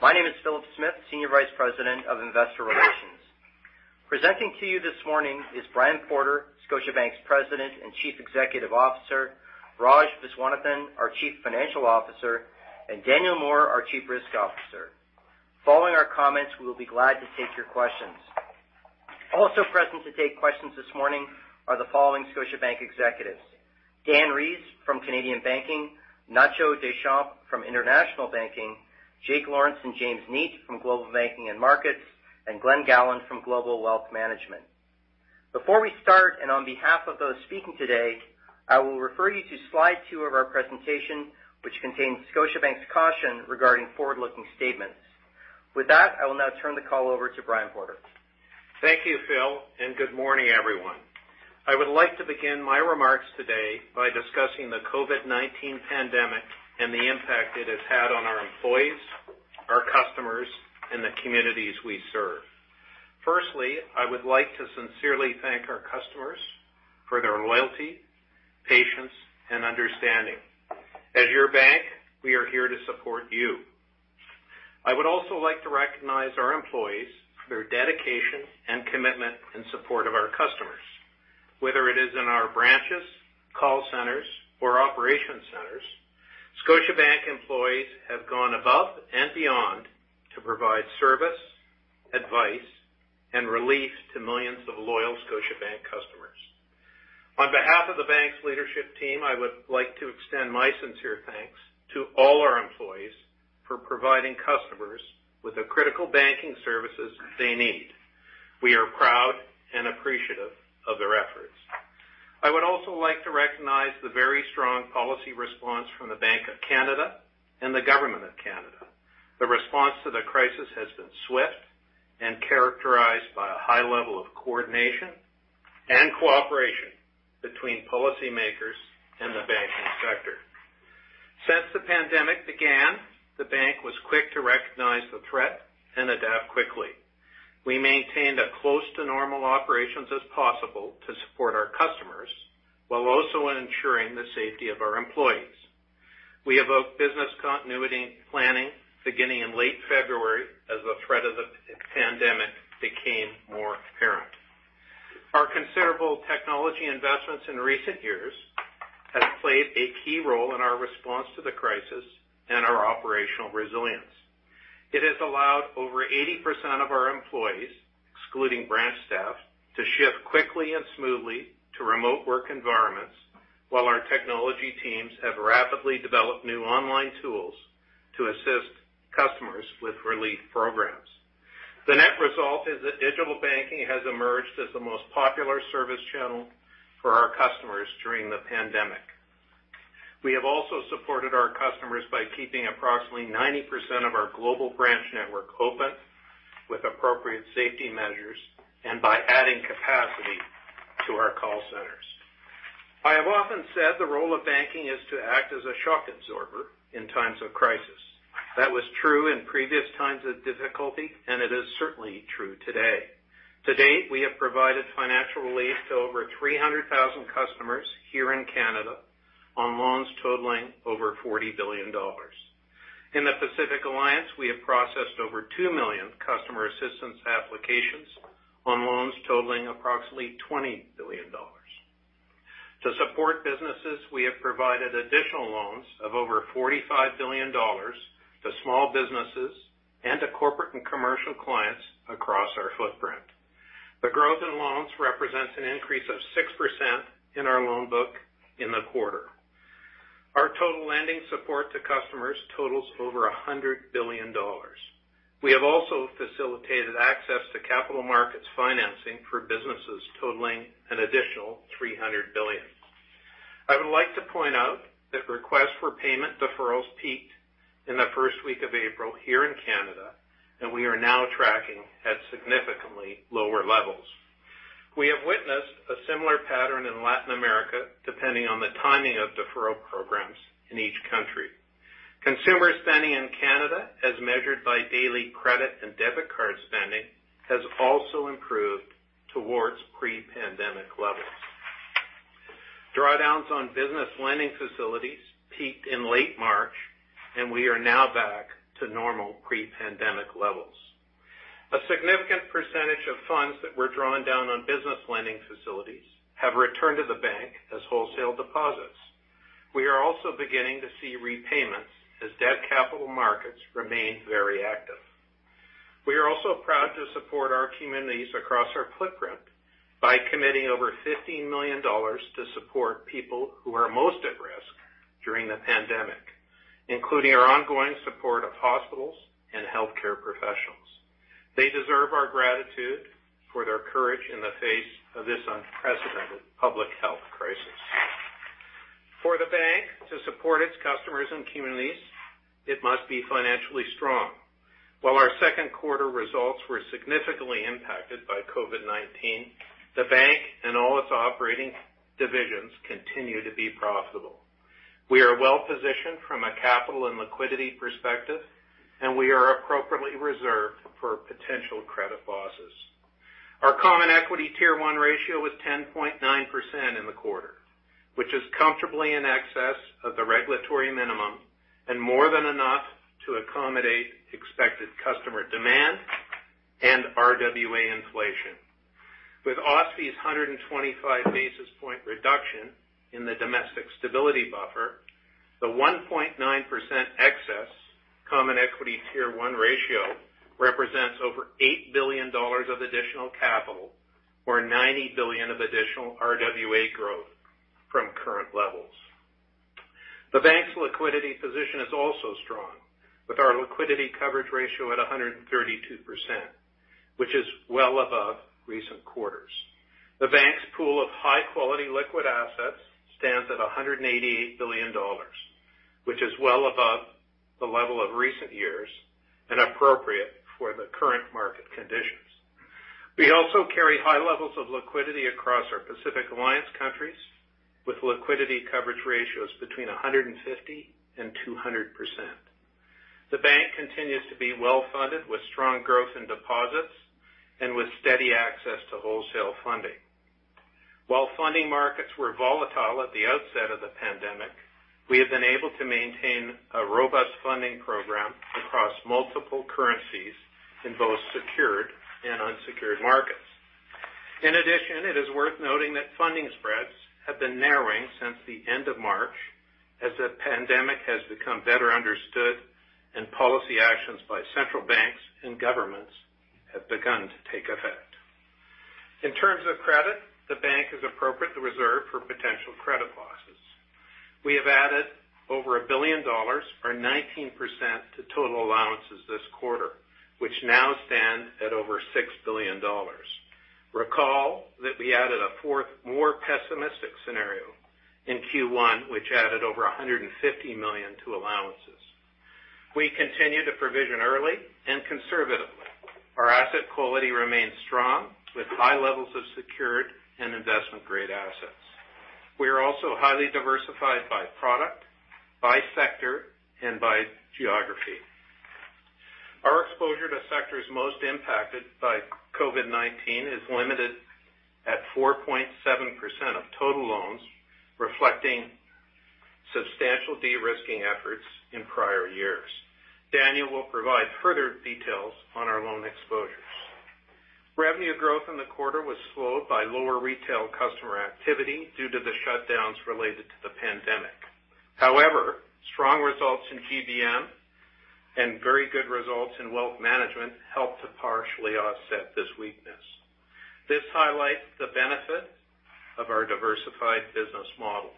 My name is Philip Smith, Senior Vice President of Investor Relations. Presenting to you this morning is Brian Porter, Scotiabank's President and Chief Executive Officer, Raj Viswanathan, our Chief Financial Officer, and Daniel Moore, our Chief Risk Officer. Following our comments, we will be glad to take your questions. Also present to take questions this morning are the following Scotiabank executives, Dan Rees from Canadian Banking, Nacho Deschamps from International Banking, Jake Lawrence and James Neate from Global Banking and Markets, and Glen Gowland from Global Wealth Management. Before we start, and on behalf of those speaking today, I will refer you to slide two of our presentation, which contains Scotiabank's caution regarding forward-looking statements. With that, I will now turn the call over to Brian Porter. Thank you, Phil, and good morning, everyone. I would like to begin my remarks today by discussing the COVID-19 pandemic and the impact it has had on our employees, our customers, and the communities we serve. Firstly, I would like to sincerely thank our customers for their loyalty, patience, and understanding. As your bank, we are here to support you. I would also like to recognize our employees for their dedication and commitment in support of our customers. Whether it is in our branches, call centers, or operation centers, Scotiabank employees have gone above and beyond to provide service, advice, and relief to millions of loyal Scotiabank customers. On behalf of the bank's leadership team, I would like to extend my sincere thanks to all our employees for providing customers with the critical banking services they need. We are proud and appreciative of their efforts. I would also like to recognize the very strong policy response from the Bank of Canada and the government of Canada. The response to the crisis has been swift and characterized by a high level of coordination and cooperation between policymakers and the banking sector. Since the pandemic began, the bank was quick to recognize the threat and adapt quickly. We maintained a close to normal operations as possible to support our customers while also ensuring the safety of our employees. We evoked business continuity planning beginning in late February as the threat of the pandemic became more apparent. Our considerable technology investments in recent years have played a key role in our response to the crisis and our operational resilience. It has allowed over 80% of our employees, excluding branch staff, to shift quickly and smoothly to remote work environments while our technology teams have rapidly developed new online tools to assist customers with relief programs. The net result is that digital banking has emerged as the most popular service channel for our customers during the pandemic. We have also supported our customers by keeping approximately 90% of our global branch network open with appropriate safety measures and by adding capacity to our call centers. I have often said the role of banking is to act as a shock absorber in times of crisis. That was true in previous times of difficulty. It is certainly true today. To date, we have provided financial relief to over 300,000 customers here in Canada on loans totaling over 40 billion dollars. In the Pacific Alliance, we have processed over 2 million customer assistance applications on loans totaling approximately 20 billion dollars. To support businesses, we have provided additional loans of over 45 billion dollars to small businesses and to corporate and commercial clients across our footprint. The growth in loans represents an increase of 6% in our loan book in the quarter. Our total lending support to customers totals over 100 billion dollars. We have also facilitated access to capital markets financing for businesses totaling an additional 300 billion. I would like to point out that requests for payment deferrals peaked in the first week of April here in Canada, and we are now tracking at significantly lower levels. We have witnessed a similar pattern in Latin America, depending on the timing of deferral programs in each country. Consumer spending in Canada, as measured by daily credit and debit card spending, has also improved towards pre-pandemic levels. Drawdowns on business lending facilities peaked in late March, we are now back to normal pre-pandemic levels. A significant percentage of funds that were drawn down on business lending facilities have returned to the Bank as wholesale deposits. We are also beginning to see repayments as debt capital markets remain very active. We are also proud to support our communities across our footprint by committing over 15 million dollars to support people who are most at risk during the pandemic, including our ongoing support of hospitals and healthcare professionals. They deserve our gratitude for their courage in the face of this unprecedented public health crisis. For the Bank to support its customers and communities, it must be financially strong. While our second quarter results were significantly impacted by COVID-19, the bank and all its operating divisions continue to be profitable. We are well positioned from a capital and liquidity perspective, and we are appropriately reserved for potential credit losses. Our common equity Tier 1 ratio was 10.9% in the quarter, which is comfortably in excess of the regulatory minimum and more than enough to accommodate expected customer demand and RWA inflation. With OSFI's 125 basis point reduction in the Domestic Stability Buffer, the 1.9% excess common equity Tier 1 ratio represents over 8 billion dollars of additional capital or 90 billion of additional RWA growth from current levels. The bank's liquidity position is also strong, with our Liquidity Coverage Ratio at 132%, which is well above recent quarters. The bank's pool of high-quality liquid assets stands at 188 billion dollars, which is well above the level of recent years and appropriate for the current market conditions. We also carry high levels of liquidity across our Pacific Alliance countries, with liquidity coverage ratios between 150% and 200%. The bank continues to be well-funded with strong growth in deposits and with steady access to wholesale funding. While funding markets were volatile at the outset of the pandemic, we have been able to maintain a robust funding program across multiple currencies in both secured and unsecured markets. It is worth noting that funding spreads have been narrowing since the end of March as the pandemic has become better understood and policy actions by central banks and governments have begun to take effect. In terms of credit, the bank has appropriately reserved for potential credit losses. We have added over 1 billion dollars or 19% to total allowances this quarter, which now stands at over 6 billion dollars. Recall that we added a fourth, more pessimistic scenario in Q1, which added over 150 million to allowances. We continue to provision early and conservatively. Our asset quality remains strong with high levels of secured and investment-grade assets. We are also highly diversified by product, by sector, and by geography. Our exposure to sectors most impacted by COVID-19 is limited at 4.7% of total loans, reflecting substantial de-risking efforts in prior years. Daniel will provide further details on our loan exposures. Revenue growth in the quarter was slowed by lower retail customer activity due to the shutdowns related to the pandemic. However, strong results in GBM and very good results in wealth management helped to partially offset this weakness. This highlights the benefits of our diversified business model.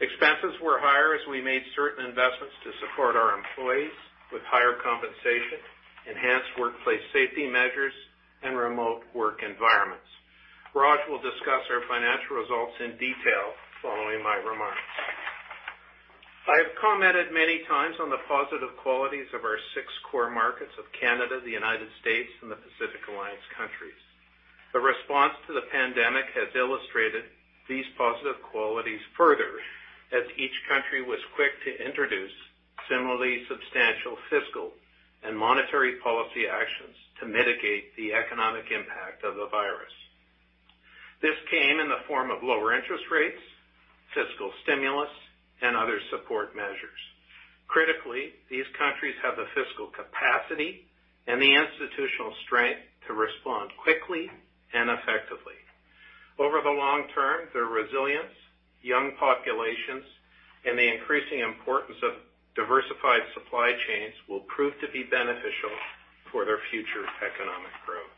Expenses were higher as we made certain investments to support our employees with higher compensation, enhanced workplace safety measures, and remote work environments. Raj will discuss our financial results in detail following my remarks. I have commented many times on the positive qualities of our six core markets of Canada, the United States, and the Pacific Alliance countries. The response to the pandemic has illustrated these positive qualities further as each country was quick to introduce similarly substantial fiscal and monetary policy actions to mitigate the economic impact of the virus. This came in the form of lower interest rates, fiscal stimulus, and other support measures. Critically, these countries have the fiscal capacity and the institutional strength to respond quickly and effectively. Over the long term, their resilience, young populations, and the increasing importance of diversified supply chains will prove to be beneficial for their future economic growth.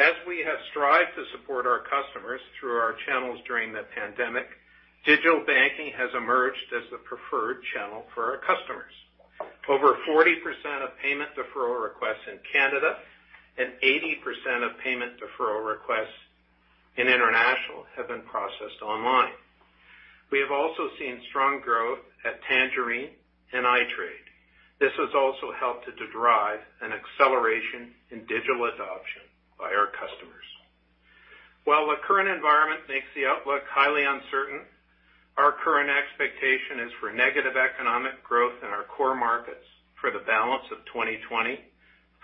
As we have strived to support our customers through our channels during the pandemic, digital banking has emerged as the preferred channel for our customers. Over 40% of payment deferral requests in Canada and 80% of payment deferral requests in International Banking have been processed online. We have also seen strong growth at Tangerine and iTRADE. This has also helped to drive an acceleration in digital adoption by our customers. While the current environment makes the outlook highly uncertain, our current expectation is for negative economic growth in our core markets for the balance of 2020,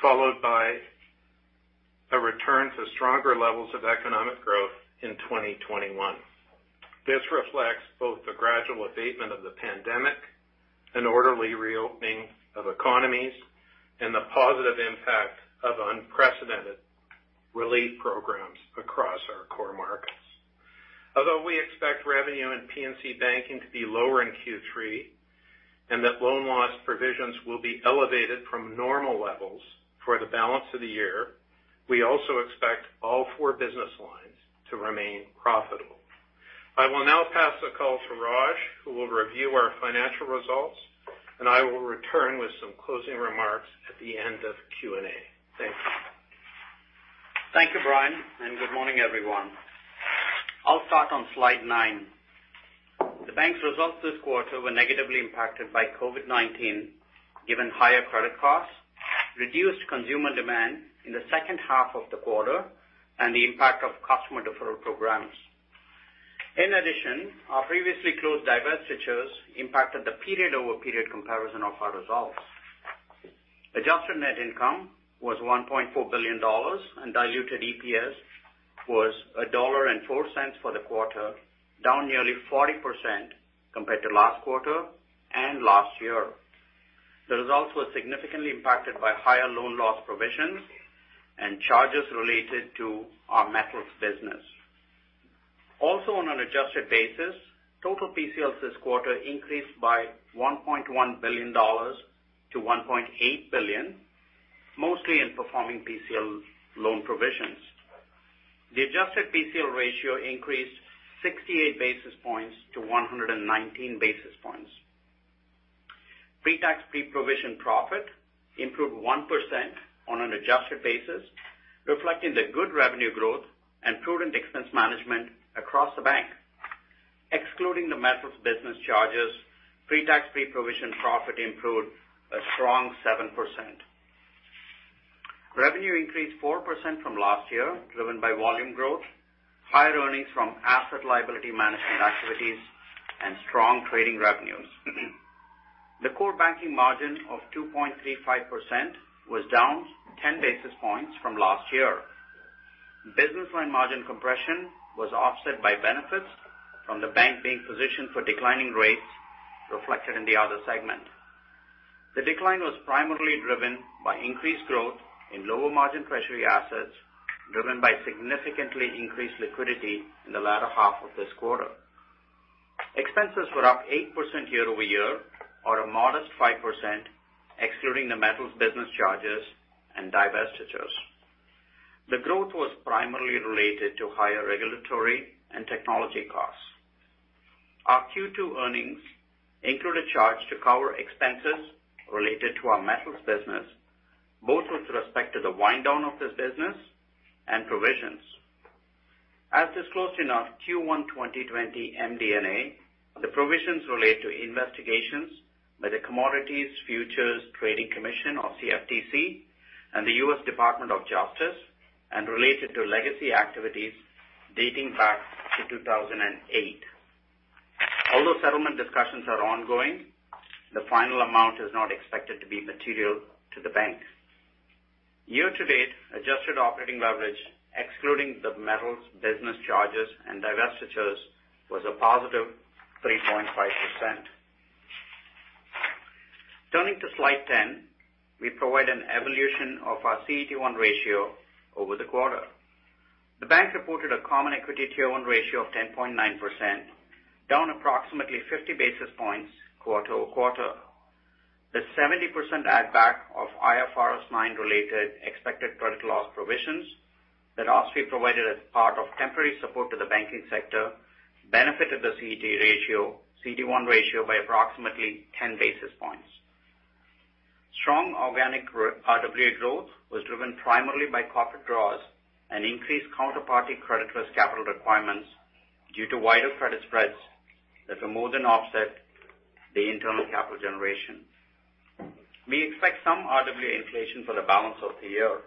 followed by a return to stronger levels of economic growth in 2021. This reflects both the gradual abatement of the pandemic and orderly reopening of economies and the positive impact of unprecedented relief programs across our core markets. Although we expect revenue in P&C banking to be lower in Q3, and that loan loss provisions will be elevated from normal levels for the balance of the year, we also expect all four business lines to remain profitable. I will now pass the call to Raj, who will review our financial results, and I will return with some closing remarks at the end of Q&A. Thank you. Thank you, Brian, and good morning, everyone. I'll start on slide nine. The bank's results this quarter were negatively impacted by COVID-19, given higher credit costs, reduced consumer demand in the second half of the quarter, and the impact of customer deferral programs. In addition, our previously closed divestitures impacted the period-over-period comparison of our results. Adjusted net income was 1.4 billion dollars and diluted EPS was 1.04 dollar for the quarter, down nearly 40% compared to last quarter and last year. The results were significantly impacted by higher loan loss provisions and charges related to our metals business. Also on an adjusted basis, total PCLs this quarter increased by 1.1 billion dollars to 1.8 billion, mostly in performing PCL loan provisions. The adjusted PCL ratio increased 68 basis points to 119 basis points. Pre-tax pre-provision profit improved 1% on an adjusted basis, reflecting the good revenue growth and prudent expense management across the bank. Excluding the metals business charges, pre-tax pre-provision profit improved a strong 7%. Revenue increased 4% from last year, driven by volume growth, higher earnings from asset liability management activities, and strong trading revenues. The core banking margin of 2.35% was down 10 basis points from last year. Business line margin compression was offset by benefits from the bank being positioned for declining rates reflected in the other segment. The decline was primarily driven by increased growth in lower margin treasury assets, driven by significantly increased liquidity in the latter half of this quarter. Expenses were up 8% year-over-year or a modest 5% excluding the metals business charges and divestitures. The growth was primarily related to higher regulatory and technology costs. Our Q2 earnings include a charge to cover expenses related to our metals business, both with respect to the wind down of this business and provisions. As disclosed in our Q1 2020 MD&A, the provisions relate to investigations by the Commodity Futures Trading Commission, or CFTC, and the U.S. Department of Justice and related to legacy activities dating back to 2008. Settlement discussions are ongoing, the final amount is not expected to be material to the bank. Year-to-date adjusted operating leverage, excluding the metals business charges and divestitures, was a positive 3.5%. Turning to slide 10, we provide an evolution of our CET1 ratio over the quarter. The bank reported a common equity Tier 1 ratio of 10.9%, down approximately 50 basis points quarter-over-quarter. The 70% add back of IFRS 9 related expected credit loss provisions that OSFI provided as part of temporary support to the banking sector benefited the CET1 ratio by approximately 10 basis points. Strong organic RWA growth was driven primarily by corporate draws and increased counterparty credit risk capital requirements due to wider credit spreads that were more than offset the internal capital generation. We expect some RWA inflation for the balance of the year.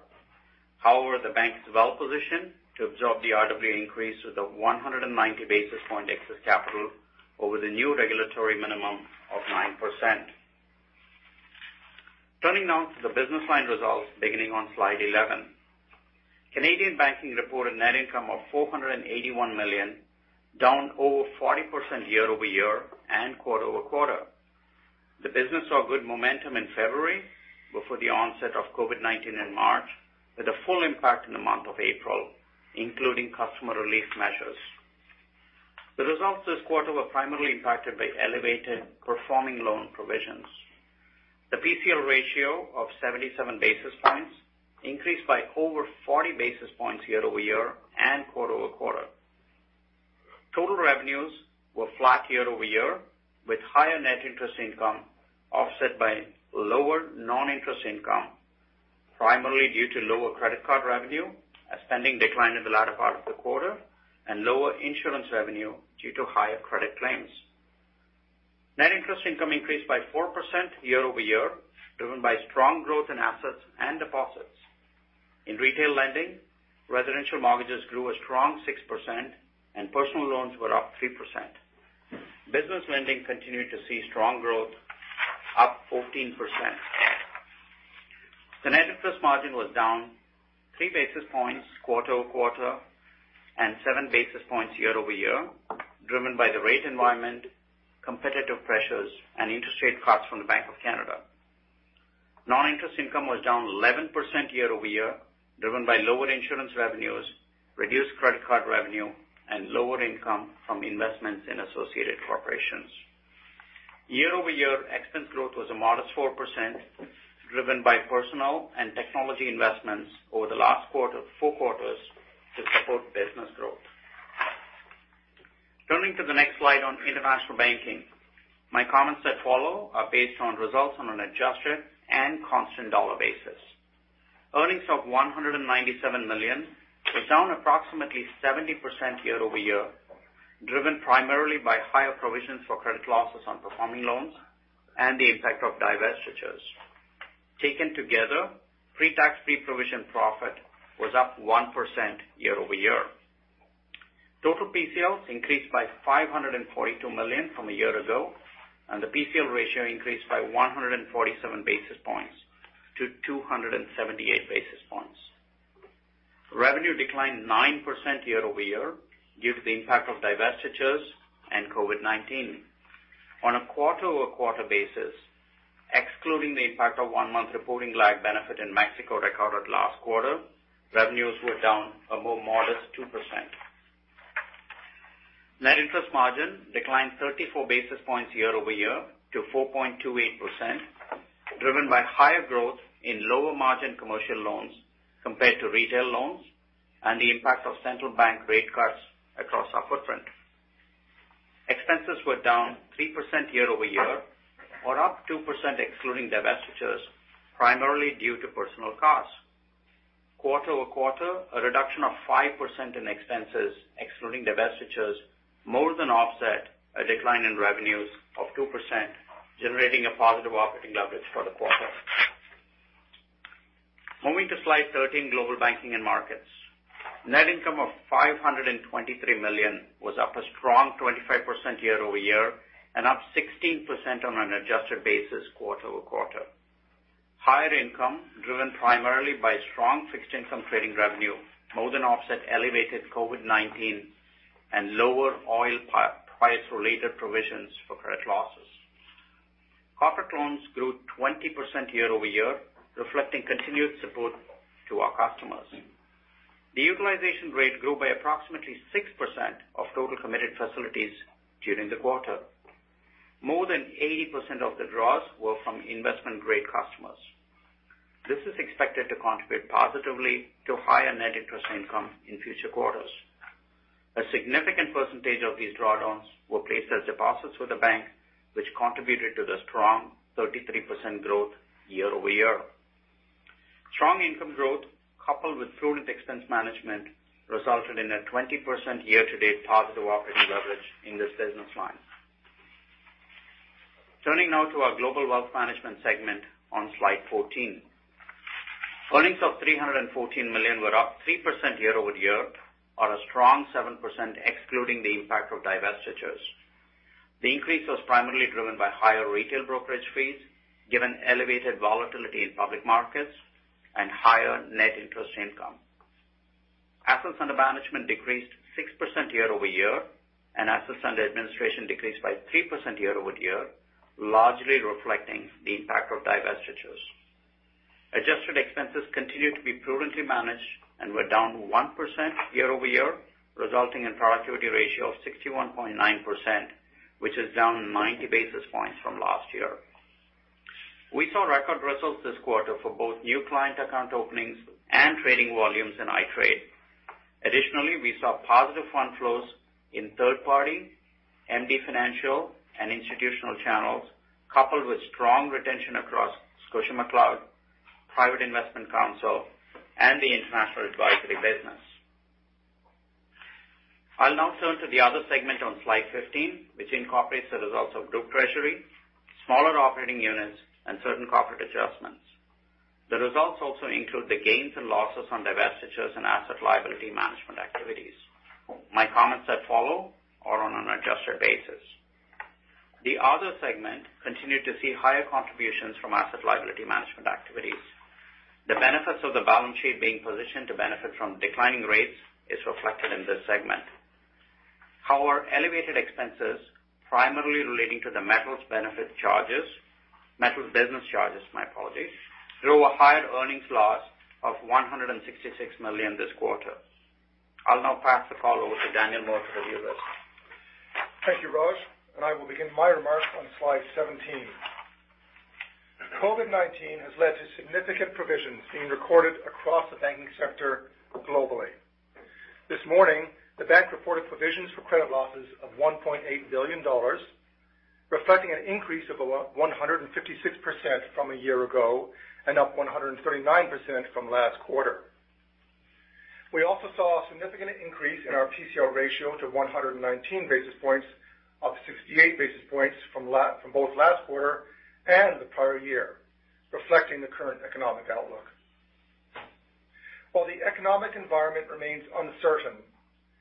However, the bank's well-positioned to absorb the RWA increase with a 190 basis point excess capital over the new regulatory minimum of 9%. Turning now to the business line results beginning on slide 11. Canadian Banking reported net income of 481 million, down over 40% year-over-year and quarter-over-quarter. The business saw good momentum in February before the onset of COVID-19 in March, with a full impact in the month of April, including customer relief measures. The results this quarter were primarily impacted by elevated performing loan provisions. The PCL ratio of 77 basis points increased by over 40 basis points year-over-year and quarter-over-quarter. Total revenues were flat year-over-year, with higher net interest income offset by lower non-interest income, primarily due to lower credit card revenue as spending declined in the latter part of the quarter and lower insurance revenue due to higher credit claims. Net interest income increased by 4% year-over-year, driven by strong growth in assets and deposits. In retail lending, residential mortgages grew a strong 6%, and personal loans were up 3%. Business lending continued to see strong growth, up 14%. The net interest margin was down three basis points quarter-over-quarter and seven basis points year-over-year, driven by the rate environment, competitive pressures, and interest rate cuts from the Bank of Canada. Non-interest income was down 11% year-over-year, driven by lower insurance revenues, reduced credit card revenue, and lower income from investments in associated corporations. Year-over-year expense growth was a modest 4%, driven by personal and technology investments over the last four quarters to support business growth. Turning to the next slide on International Banking. My comments that follow are based on results on an adjusted and constant dollar basis. Earnings of 197 million were down approximately 70% year-over-year, driven primarily by higher provisions for credit losses on performing loans and the impact of divestitures. Taken together, pre-tax pre-provision profit was up 1% year-over-year. Total PCLs increased by 542 million from a year ago, and the PCL ratio increased by 147 basis points to 278 basis points. Revenue declined 9% year-over-year due to the impact of divestitures and COVID-19. On a quarter-over-quarter basis, excluding the impact of one month reporting lag benefit in Mexico recorded last quarter, revenues were down a more modest 2%. Net interest margin declined 34 basis points year-over-year to 4.28%, driven by higher growth in lower margin commercial loans compared to retail loans, and the impact of central bank rate cuts across our footprint. Expenses were down 3% year-over-year or up 2% excluding divestitures, primarily due to personal costs. Quarter-over-quarter, a reduction of 5% in expenses excluding divestitures, more than offset a decline in revenues of 2%, generating a positive operating leverage for the quarter. Moving to Slide 13, Global Banking and Markets. Net income of 523 million was up a strong 25% year-over-year and up 16% on an adjusted basis quarter-over-quarter. Higher income driven primarily by strong fixed income trading revenue more than offset elevated COVID-19 and lower oil price related provisions for credit losses. Corporate loans grew 20% year-over-year, reflecting continued support to our customers. The utilization rate grew by approximately 6% of total committed facilities during the quarter. More than 80% of the draws were from investment-grade customers. This is expected to contribute positively to higher net interest income in future quarters. A significant percentage of these drawdowns were placed as deposits with the bank, which contributed to the strong 33% growth year-over-year. Strong income growth coupled with prudent expense management resulted in a 20% year-to-date positive operating leverage in this business line. Turning now to our Global Wealth Management segment on Slide 14. Earnings of 314 million were up 3% year-over-year or a strong 7% excluding the impact of divestitures. The increase was primarily driven by higher retail brokerage fees given elevated volatility in public markets and higher net interest income. Assets under management decreased 6% year-over-year, and assets under administration decreased by 3% year-over-year, largely reflecting the impact of divestitures. Adjusted expenses continued to be prudently managed and were down 1% year-over-year, resulting in productivity ratio of 61.9%, which is down 90 basis points from last year. We saw record results this quarter for both new client account openings and trading volumes in iTrade. Additionally, we saw positive fund flows in third party, MD Financial, and institutional channels, coupled with strong retention across ScotiaMcLeod, Private Investment Counsel, and the international advisory business. I'll now turn to the other segment on Slide 15, which incorporates the results of Group Treasury, smaller operating units, and certain corporate adjustments. The results also include the gains and losses on divestitures and asset liability management activities. My comments that follow are on an adjusted basis. The other segment continued to see higher contributions from asset liability management activities. The benefits of the balance sheet being positioned to benefit from declining rates is reflected in this segment. Elevated expenses primarily relating to the Metals business charges, my apology, drove a higher earnings loss of 166 million this quarter. I'll now pass the call over to Daniel Moore to review this. Thank you, Raj. I will begin my remarks on Slide 17. COVID-19 has led to significant provisions being recorded across the banking sector globally. This morning, the bank reported provisions for credit losses of 1.8 billion dollars, reflecting an increase of above 156% from a year ago and up 139% from last quarter. We also saw a significant increase in our PCL ratio to 119 basis points up 68 basis points from both last quarter and the prior year, reflecting the current economic outlook. While the economic environment remains uncertain,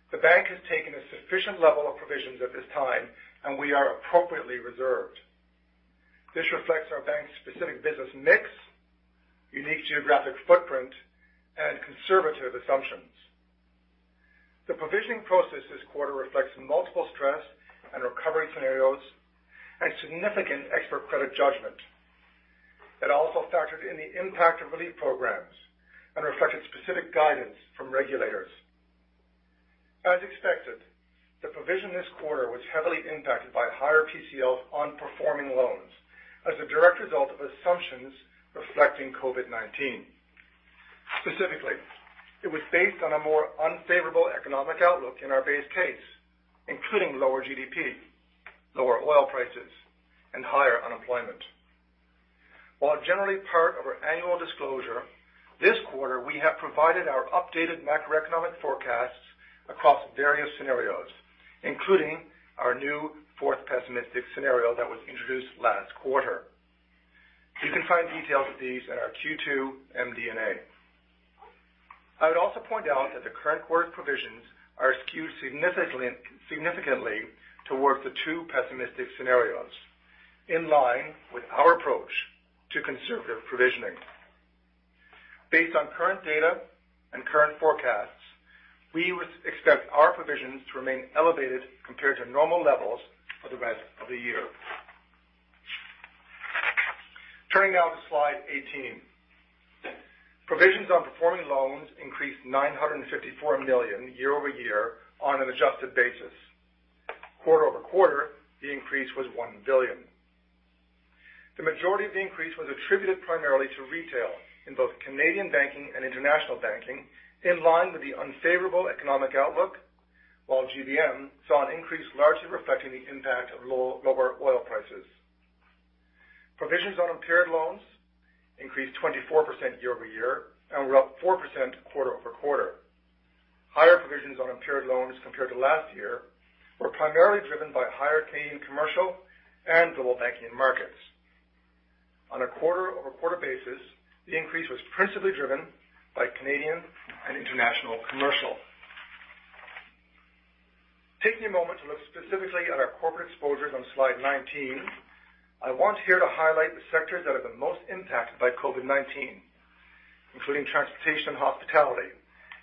the bank has taken a sufficient level of provisions at this time and we are appropriately reserved. This reflects our bank's specific business mix, unique geographic footprint, and conservative assumptions. The provisioning process this quarter reflects multiple stress and recovery scenarios and significant expert credit judgment, that also factored in the impact of relief programs and reflected specific guidance from regulators. As expected, the provision this quarter was heavily impacted by higher PCLs on performing loans as a direct result of assumptions reflecting COVID-19. Specifically, it was based on a more unfavorable economic outlook in our base case, including lower GDP, lower oil prices, and higher unemployment. While generally part of our annual disclosure. This quarter, we have provided our updated macroeconomic forecasts across various scenarios, including our new fourth pessimistic scenario that was introduced last quarter. You can find details of these in our Q2 MD&A. I would also point out that the current quarter provisions are skewed significantly towards the two pessimistic scenarios, in line with our approach to conservative provisioning. Based on current data and current forecasts, we would expect our provisions to remain elevated compared to normal levels for the rest of the year. Turning now to slide 18. Provisions on performing loans increased 954 million year-over-year on an adjusted basis. Quarter-over-quarter, the increase was 1 billion. The majority of the increase was attributed primarily to retail in both Canadian Banking and International Banking, in line with the unfavorable economic outlook. While GBM saw an increase largely reflecting the impact of lower oil prices. Provisions on impaired loans increased 24% year-over-year and were up 4% quarter-over-quarter. Higher provisions on impaired loans compared to last year were primarily driven by higher Canadian commercial and Global Banking and Markets. On a quarter-over-quarter basis, the increase was principally driven by Canadian and international commercial. Taking a moment to look specifically at our corporate exposures on slide 19, I want here to highlight the sectors that are the most impacted by COVID-19, including transportation, hospitality,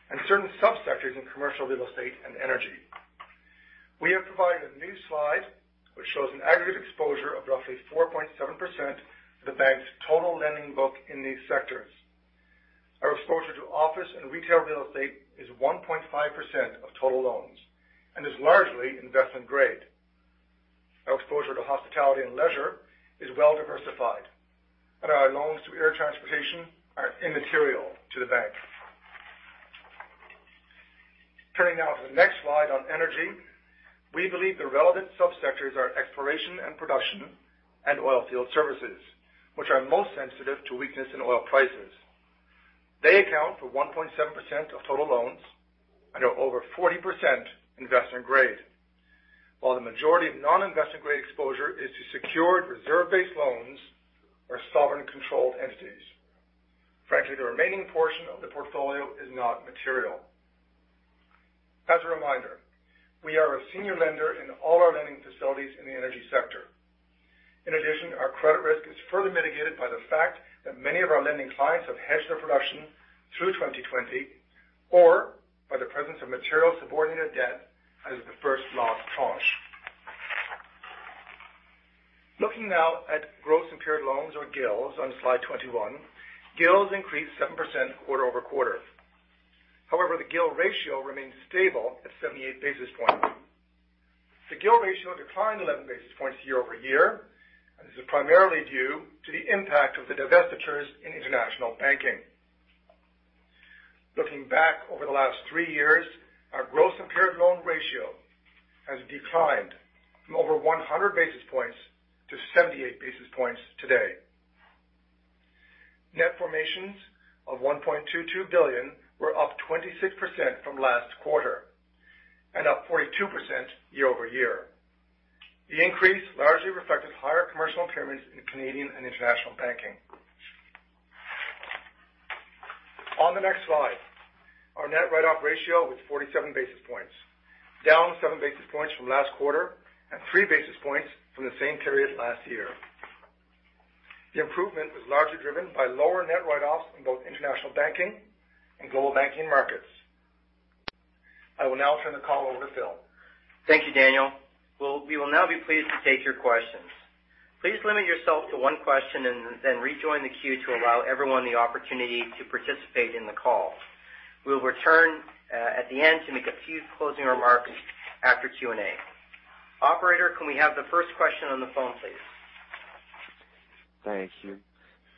and certain sub-sectors in commercial real estate and energy. We have provided a new slide, which shows an aggregate exposure of roughly 4.7% of the bank's total lending book in these sectors. Our exposure to office and retail real estate is 1.5% of total loans and is largely investment-grade. Our exposure to hospitality and leisure is well diversified, and our loans to air transportation are immaterial to the bank. Turning now to the next slide on energy. We believe the relevant sub-sectors are exploration and production and oil field services, which are most sensitive to weakness in oil prices. They account for 1.7% of total loans and are over 40% investment-grade. While the majority of non-investment-grade exposure is to secured reserve-based loans or sovereign-controlled entities. Frankly, the remaining portion of the portfolio is not material. As a reminder, we are a senior lender in all our lending facilities in the energy sector. In addition, our credit risk is further mitigated by the fact that many of our lending clients have hedged their production through 2020 or by the presence of material subordinated debt as the first loss tranche. Looking now at gross impaired loans or GILs on slide 21. GILs increased 7% quarter-over-quarter. However, the GIL ratio remains stable at 78 basis points. The GIL ratio declined 11 basis points year-over-year, and this is primarily due to the impact of the divestitures in International Banking. Looking back over the last three years, our gross impaired loan ratio has declined from over 100 basis points to 78 basis points today. Net formations of 1.22 billion were up 26% from last quarter and up 42% year-over-year. The increase largely reflected higher commercial impairments in Canadian Banking and International Banking. On the next slide, our net write-off ratio was 47 basis points, down seven basis points from last quarter and three basis points from the same period last year. The improvement was largely driven by lower net write-offs in both International Banking and Global Banking and Markets. I will now turn the call over to Phil. Thank you, Daniel. We will now be pleased to take your questions. Please limit yourself to one question and then rejoin the queue to allow everyone the opportunity to participate in the call. We will return at the end to make a few closing remarks after Q&A. Operator, can we have the first question on the phone, please? Thank you.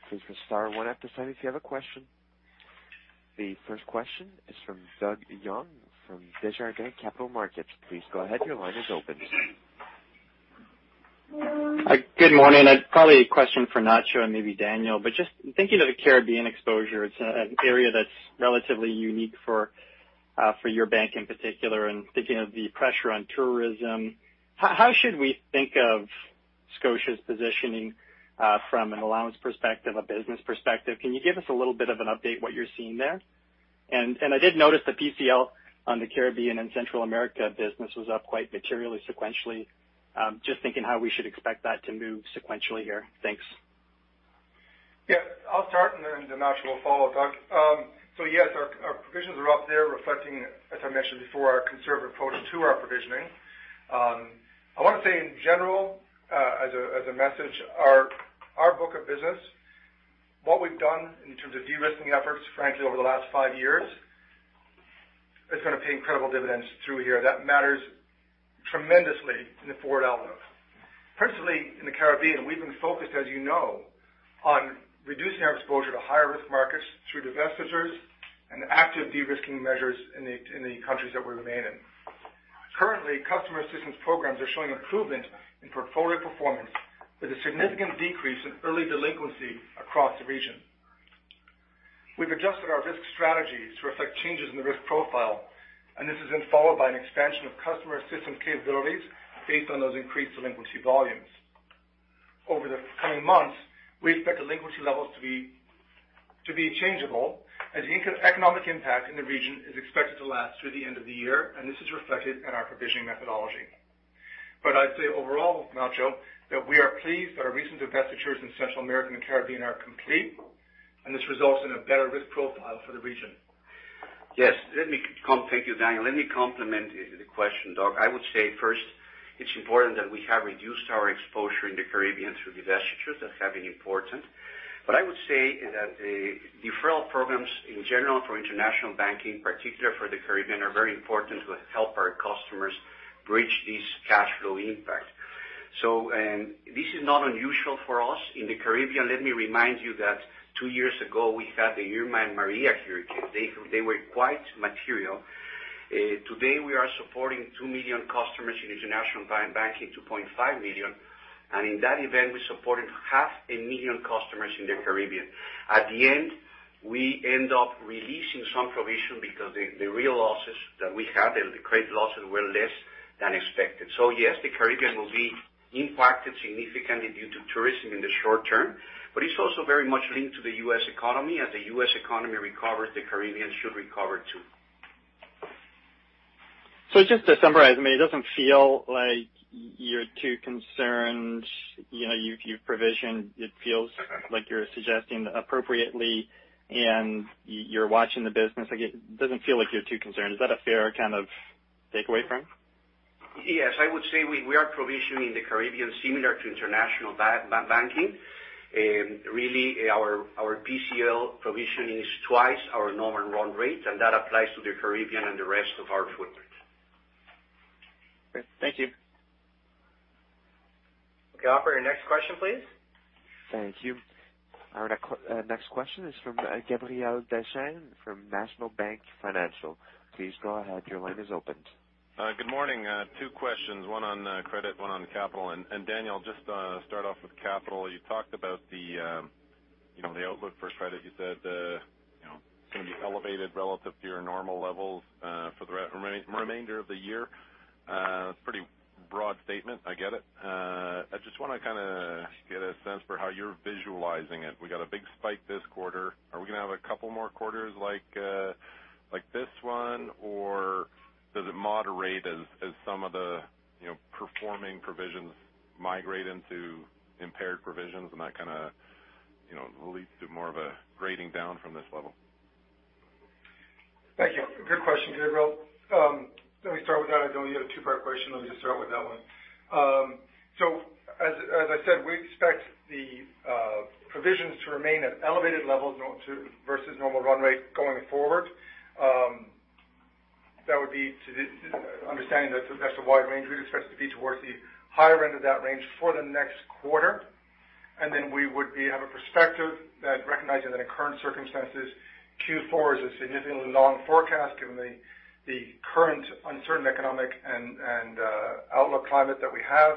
Please press star one after sign if you have a question. The first question is from Doug Young from Desjardins Capital Markets. Please go ahead. Your line is open. Good morning. Probably a question for Nacho and maybe Daniel, but just thinking of the Caribbean exposure, it's an area that's relatively unique for your bank in particular, and thinking of the pressure on tourism, how should we think of Scotia's positioning from an allowance perspective, a business perspective? Can you give us a little bit of an update, what you're seeing there? I did notice the PCL on the Caribbean and Central America business was up quite materially sequentially. Just thinking how we should expect that to move sequentially here. Thanks. I'll start, and then Nacho will follow up, Doug. Yes, our provisions are up there reflecting, as I mentioned before, our conservative approach to our provisioning. I want to say in general, as a message, our book of business, what we've done in terms of de-risking efforts, frankly, over the last five years, is going to pay incredible dividends through here. That matters tremendously in the forward outlook. Principally in the Caribbean, we've been focused, as you know, on reducing our exposure to high-risk markets through divestitures and active de-risking measures in the countries that we remain in. Currently, customer assistance programs are showing improvement in portfolio performance with a significant decrease in early delinquency across the region. We've adjusted our risk strategy to reflect changes in the risk profile. This has been followed by an expansion of customer assistance capabilities based on those increased delinquency volumes. Over the coming months, we expect delinquency levels to be changeable as the economic impact in the region is expected to last through the end of the year, and this is reflected in our provisioning methodology. I'd say overall, Nacho, that we are pleased that our recent divestitures in Central American and Caribbean are complete, and this results in a better risk profile for the region. Yes. Thank you, Daniel. Let me complement the question, Doug. I would say first, it's important that we have reduced our exposure in the Caribbean through divestitures. That's very important. I would say that the deferral programs in general for International Banking, particularly for the Caribbean, are very important to help our customers bridge this cash flow impact. This is not unusual for us in the Caribbean. Let me remind you that two years ago we had the Irma and Maria hurricane. They were quite material. Today we are supporting 2 million customers in International Banking, 2.5 million. In that event, we supported half a million customers in the Caribbean. At the end, we end up releasing some provision because the real losses that we had, and the credit losses were less than expected. Yes, the Caribbean will be impacted significantly due to tourism in the short term, but it's also very much linked to the U.S. economy. As the U.S. economy recovers, the Caribbean should recover too. Just to summarize, it doesn't feel like you're too concerned. You've provisioned, it feels like you're suggesting appropriately, and you're watching the business. Again, it doesn't feel like you're too concerned. Is that a fair kind of takeaway from it? Yes. I would say we are provisioning the Caribbean similar to International Banking. Really, our PCL provisioning is twice our normal run rate, and that applies to the Caribbean and the rest of our footprint. Okay. Thank you. Okay. Operator, next question, please. Thank you. Our next question is from Gabriel Dechaine from National Bank Financial. Please go ahead. Your line is opened. Good morning. Two questions, one on credit, one on capital. Daniel, just start off with capital. You talked about the outlook for credit. You said it's going to be elevated relative to your normal levels for the remainder of the year. It's a pretty broad statement. I get it. I just want to kind of get a sense for how you're visualizing it. We got a big spike this quarter. Are we going to have a couple more quarters like this one or does it moderate as some of the performing provisions migrate into impaired provisions, and that kind of leads to more of a grading down from this level? Thank you. Good question, Gabriel. Let me start with that. I know you had a two-part question. Let me just start with that one. As I said, we expect the provisions to remain at elevated levels versus normal run rate going forward. That would be to the understanding that that's the wide range. We'd expect it to be towards the higher end of that range for the next quarter. We would have a perspective that recognizing that in current circumstances, Q4 is a significantly long forecast given the current uncertain economic and outlook climate that we have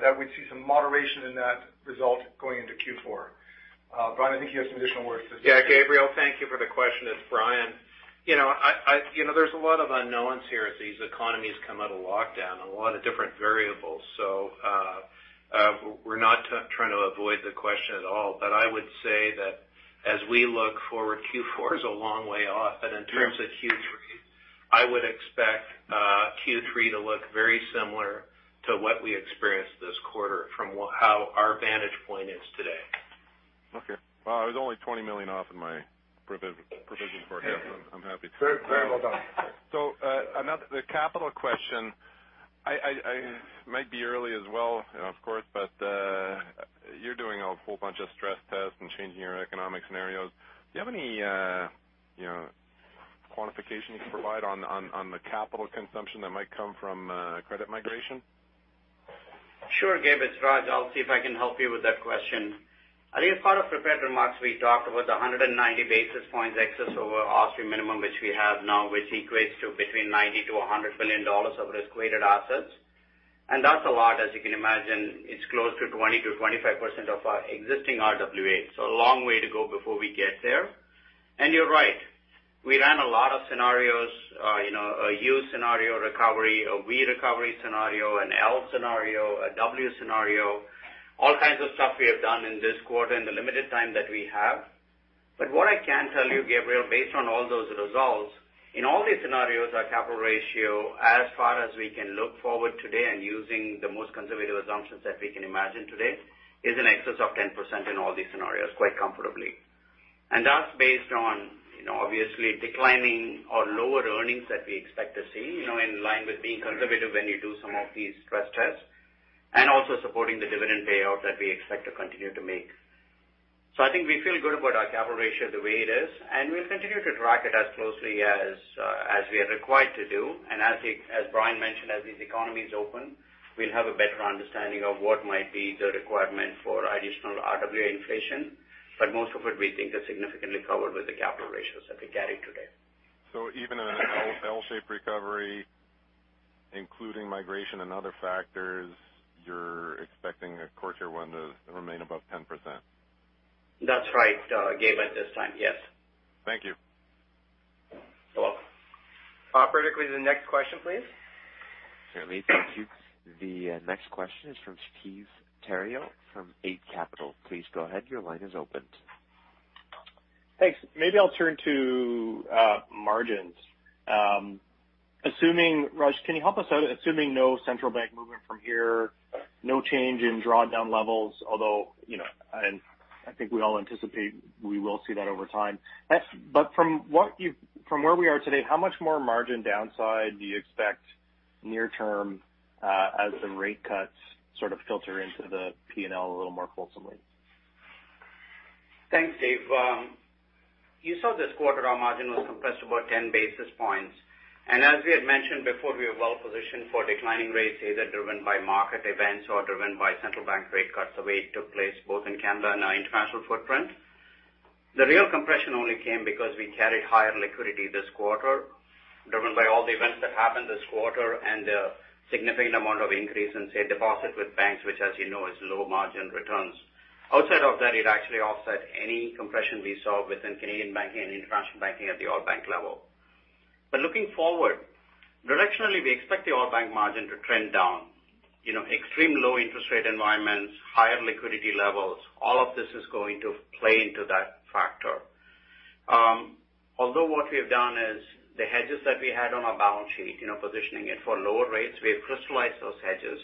that we'd see some moderation in that result going into Q4. Brian, I think you have some additional words to say. Yeah, Gabriel. Thank you for the question. It's Brian. There's a lot of unknowns here as these economies come out of lockdown, and a lot of different variables. We're not trying to avoid the question at all. I would say that as we look forward, Q4 is a long way off. In terms of Q3, I would expect Q3 to look very similar to what we experienced this quarter from how our vantage point is today. Okay. Well, I was only 20 million off in my provision forecast. I'm happy. Very well done. The capital question. I might be early as well, of course, you're doing a whole bunch of stress tests and changing your economic scenarios. Do you have any quantification you can provide on the capital consumption that might come from credit migration? Sure, Gabe. It's Raj. I'll see if I can help you with that question. I think as part of prepared remarks, we talked about the 190 basis points excess over OSFI minimum, which we have now, which equates to between 90 billion-100 billion dollars of risk-weighted assets. That's a lot as you can imagine. It's close to 20%-25% of our existing RWA. A long way to go before we get there. You're right. We ran a lot of scenarios. A U scenario recovery, a V recovery scenario, an L scenario, a W scenario. All kinds of stuff we have done in this quarter in the limited time that we have. What I can tell you, Gabriel, based on all those results, in all these scenarios our capital ratio as far as we can look forward today and using the most conservative assumptions that we can imagine today, is in excess of 10% in all these scenarios quite comfortably. That's based on obviously declining or lower earnings that we expect to see in line with being conservative when you do some of these stress tests, and also supporting the dividend payout that we expect to continue to make. I think we feel good about our capital ratio the way it is, and we'll continue to track it as closely as we are required to do. As Brian mentioned, as these economies open, we'll have a better understanding of what might be the requirement for additional RWA inflation. Most of it we think is significantly covered with the capital ratios that we carry today. Even in an L shape recovery. Including migration and other factors, you're expecting a core Tier 1 to remain above 10%? That's right, Gabriel, at this time. Yes. Thank you. (Welcome.) Operator, could we have the next question, please? Certainly. Thank you. The next question is from Steve Theriault from Eight Capital. Please go ahead. Your line is opened. Thanks. Maybe I'll turn to margins. Raj, can you help us out? Assuming no central bank movement from here, no change in drawdown levels, although I think we all anticipate we will see that over time. From where we are today, how much more margin downside do you expect near term as the rate cuts sort of filter into the P&L a little more wholesomely? Thanks, Steve. You saw this quarter our margin was compressed about 10 basis points. As we had mentioned before, we are well positioned for declining rates, either driven by market events or driven by central bank rate cuts the way it took place both in Canada and our international footprint. The real compression only came because we carried higher liquidity this quarter, driven by all the events that happened this quarter and the significant amount of increase in, say, deposit with banks, which as you know is low margin returns. Outside of that, it actually offset any compression we saw within Canadian Banking and International Banking at the whole bank level. Looking forward, directionally, we expect the whole bank margin to trend down. Extreme low interest rate environments, higher liquidity levels, all of this is going to play into that factor. Although what we have done is the hedges that we had on our balance sheet, positioning it for lower rates, we have crystallized those hedges.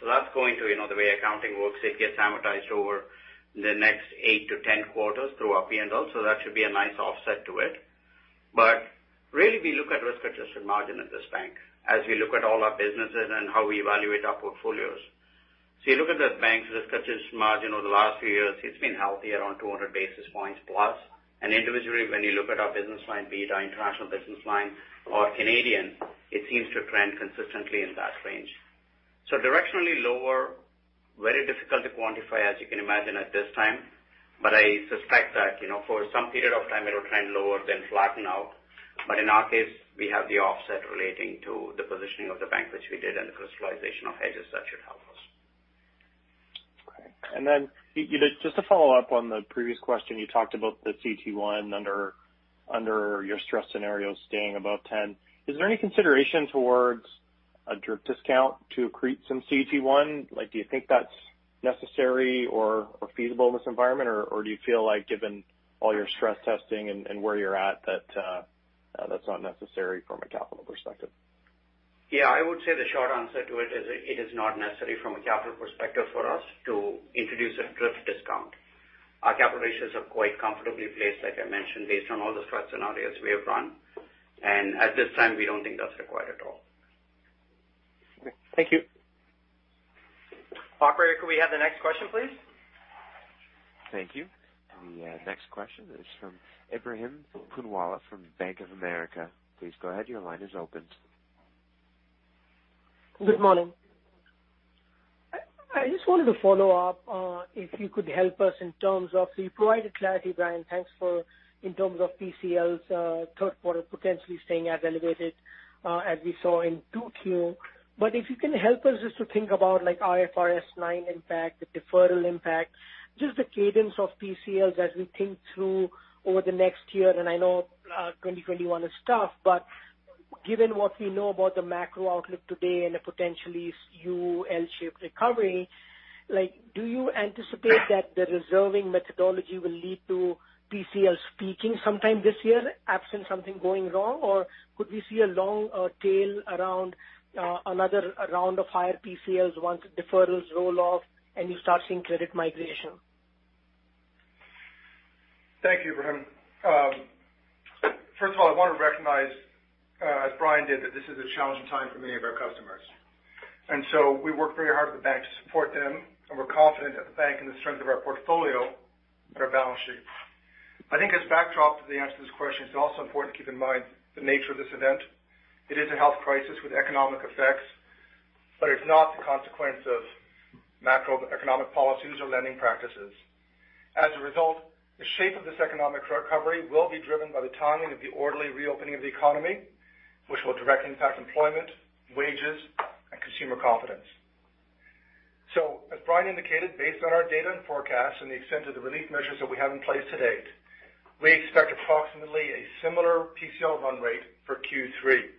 That's going to, the way accounting works, it gets amortized over the next 8 to 10 quarters through our P&L, so that should be a nice offset to it. Really, we look at risk-adjusted margin at this bank as we look at all our businesses and how we evaluate our portfolios. You look at the bank's risk-adjusted margin over the last few years, it's been healthy around 200 basis points plus. Individually, when you look at our business line, be it our International business line or Canadian, it seems to trend consistently in that range. Directionally lower, very difficult to quantify, as you can imagine, at this time. I suspect that for some period of time, it'll trend lower, then flatten out. In our case, we have the offset relating to the positioning of the bank, which we did and the crystallization of hedges that should help us. Okay. Just to follow up on the previous question, you talked about the CET1 under your stress scenario staying above 10. Is there any consideration towards a DRIP discount to accrete some CET1? Do you think that's necessary or feasible in this environment? Or do you feel like given all your stress testing and where you're at, that that's not necessary from a capital perspective? Yeah, I would say the short answer to it is it is not necessary from a capital perspective for us to introduce a DRIP discount. Our capital ratios are quite comfortably placed, like I mentioned, based on all the stress scenarios we have run. At this time, we don't think that's required at all. Okay. Thank you. Operator, could we have the next question, please? Thank you. The next question is from Ebrahim Poonawala from Bank of America. Please go ahead. Your line is opened. Good morning. I just wanted to follow up, if you could help us in terms of you provided clarity, Brian, thanks for in terms of PCLs third quarter potentially staying as elevated as we saw in 2Q. If you can help us just to think about IFRS 9 impact, the deferral impact, just the cadence of PCL as we think through over the next year. I know 2021 is tough, but given what we know about the macro outlook today and a potentially U/L-shaped recovery, do you anticipate that the reserving methodology will lead to PCLs peaking sometime this year, absent something going wrong? Could we see a long tail around another round of higher PCLs once deferrals roll off and you start seeing credit migration? Thank you, Ebrahim. First of all, I want to recognize, as Brian did, that this is a challenging time for many of our customers. We work very hard for the bank to support them, and we're confident that the bank and the strength of our portfolio and our balance sheet. I think as backdrop to the answer to this question, it's also important to keep in mind the nature of this event. It is a health crisis with economic effects, but it's not the consequence of macroeconomic policies or lending practices. As a result, the shape of this economic recovery will be driven by the timing of the orderly reopening of the economy, which will directly impact employment, wages, and consumer confidence. As Brian indicated, based on our data and forecasts and the extent of the relief measures that we have in place to date, we expect approximately a similar PCL run rate for Q3.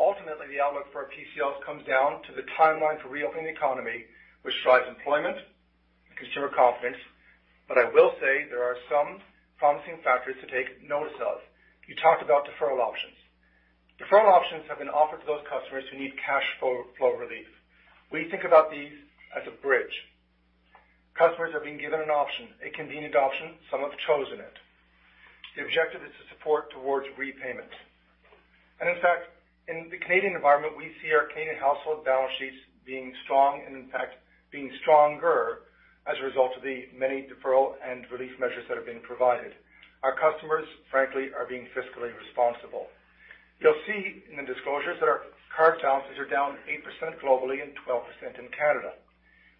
Ultimately, the outlook for our PCLs comes down to the timeline for reopening the economy, which drives employment and consumer confidence. I will say there are some promising factors to take notice of. You talked about deferral options. Deferral options have been offered to those customers who need cash flow relief. We think about these as a bridge. Customers are being given an option, a convenient option. Some have chosen it. The objective is to support towards repayment. In fact, in the Canadian environment, we see our Canadian household balance sheets being strong and in fact, being stronger as a result of the many deferral and relief measures that have been provided. Our customers, frankly, are being fiscally responsible. You'll see in the disclosures that our card balances are down 8% globally and 12% in Canada.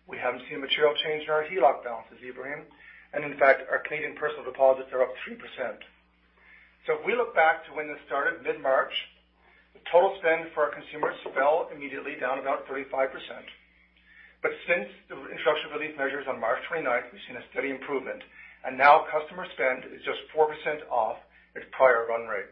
We haven't seen a material change in our HELOC balances, Ebrahim. In fact, our Canadian personal deposits are up 3%. If we look back to when this started mid-March, the total spend for our consumers fell immediately down about 35%. Since the introduction of relief measures on March 29th, we've seen a steady improvement, and now customer spend is just 4% off its prior run rate.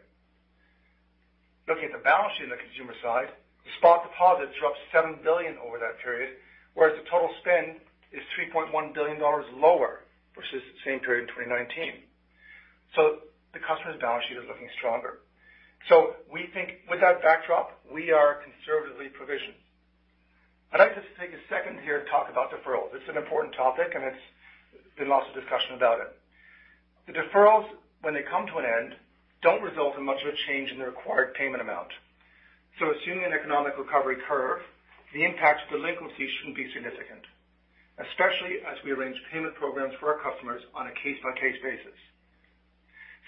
Looking at the balance sheet on the consumer side, the spot deposits are up 7 billion over that period, whereas the total spend is 3.1 billion dollars lower versus the same period in 2019. The customer's balance sheet is looking stronger. We think with that backdrop, we are conservatively provisioned. I'd like to take a second here to talk about deferrals. It's an important topic, and there's been lots of discussion about it. The deferrals, when they come to an end, don't result in much of a change in the required payment amount. Assuming an economic recovery curve, the impact to delinquency shouldn't be significant, especially as we arrange payment programs for our customers on a case-by-case basis.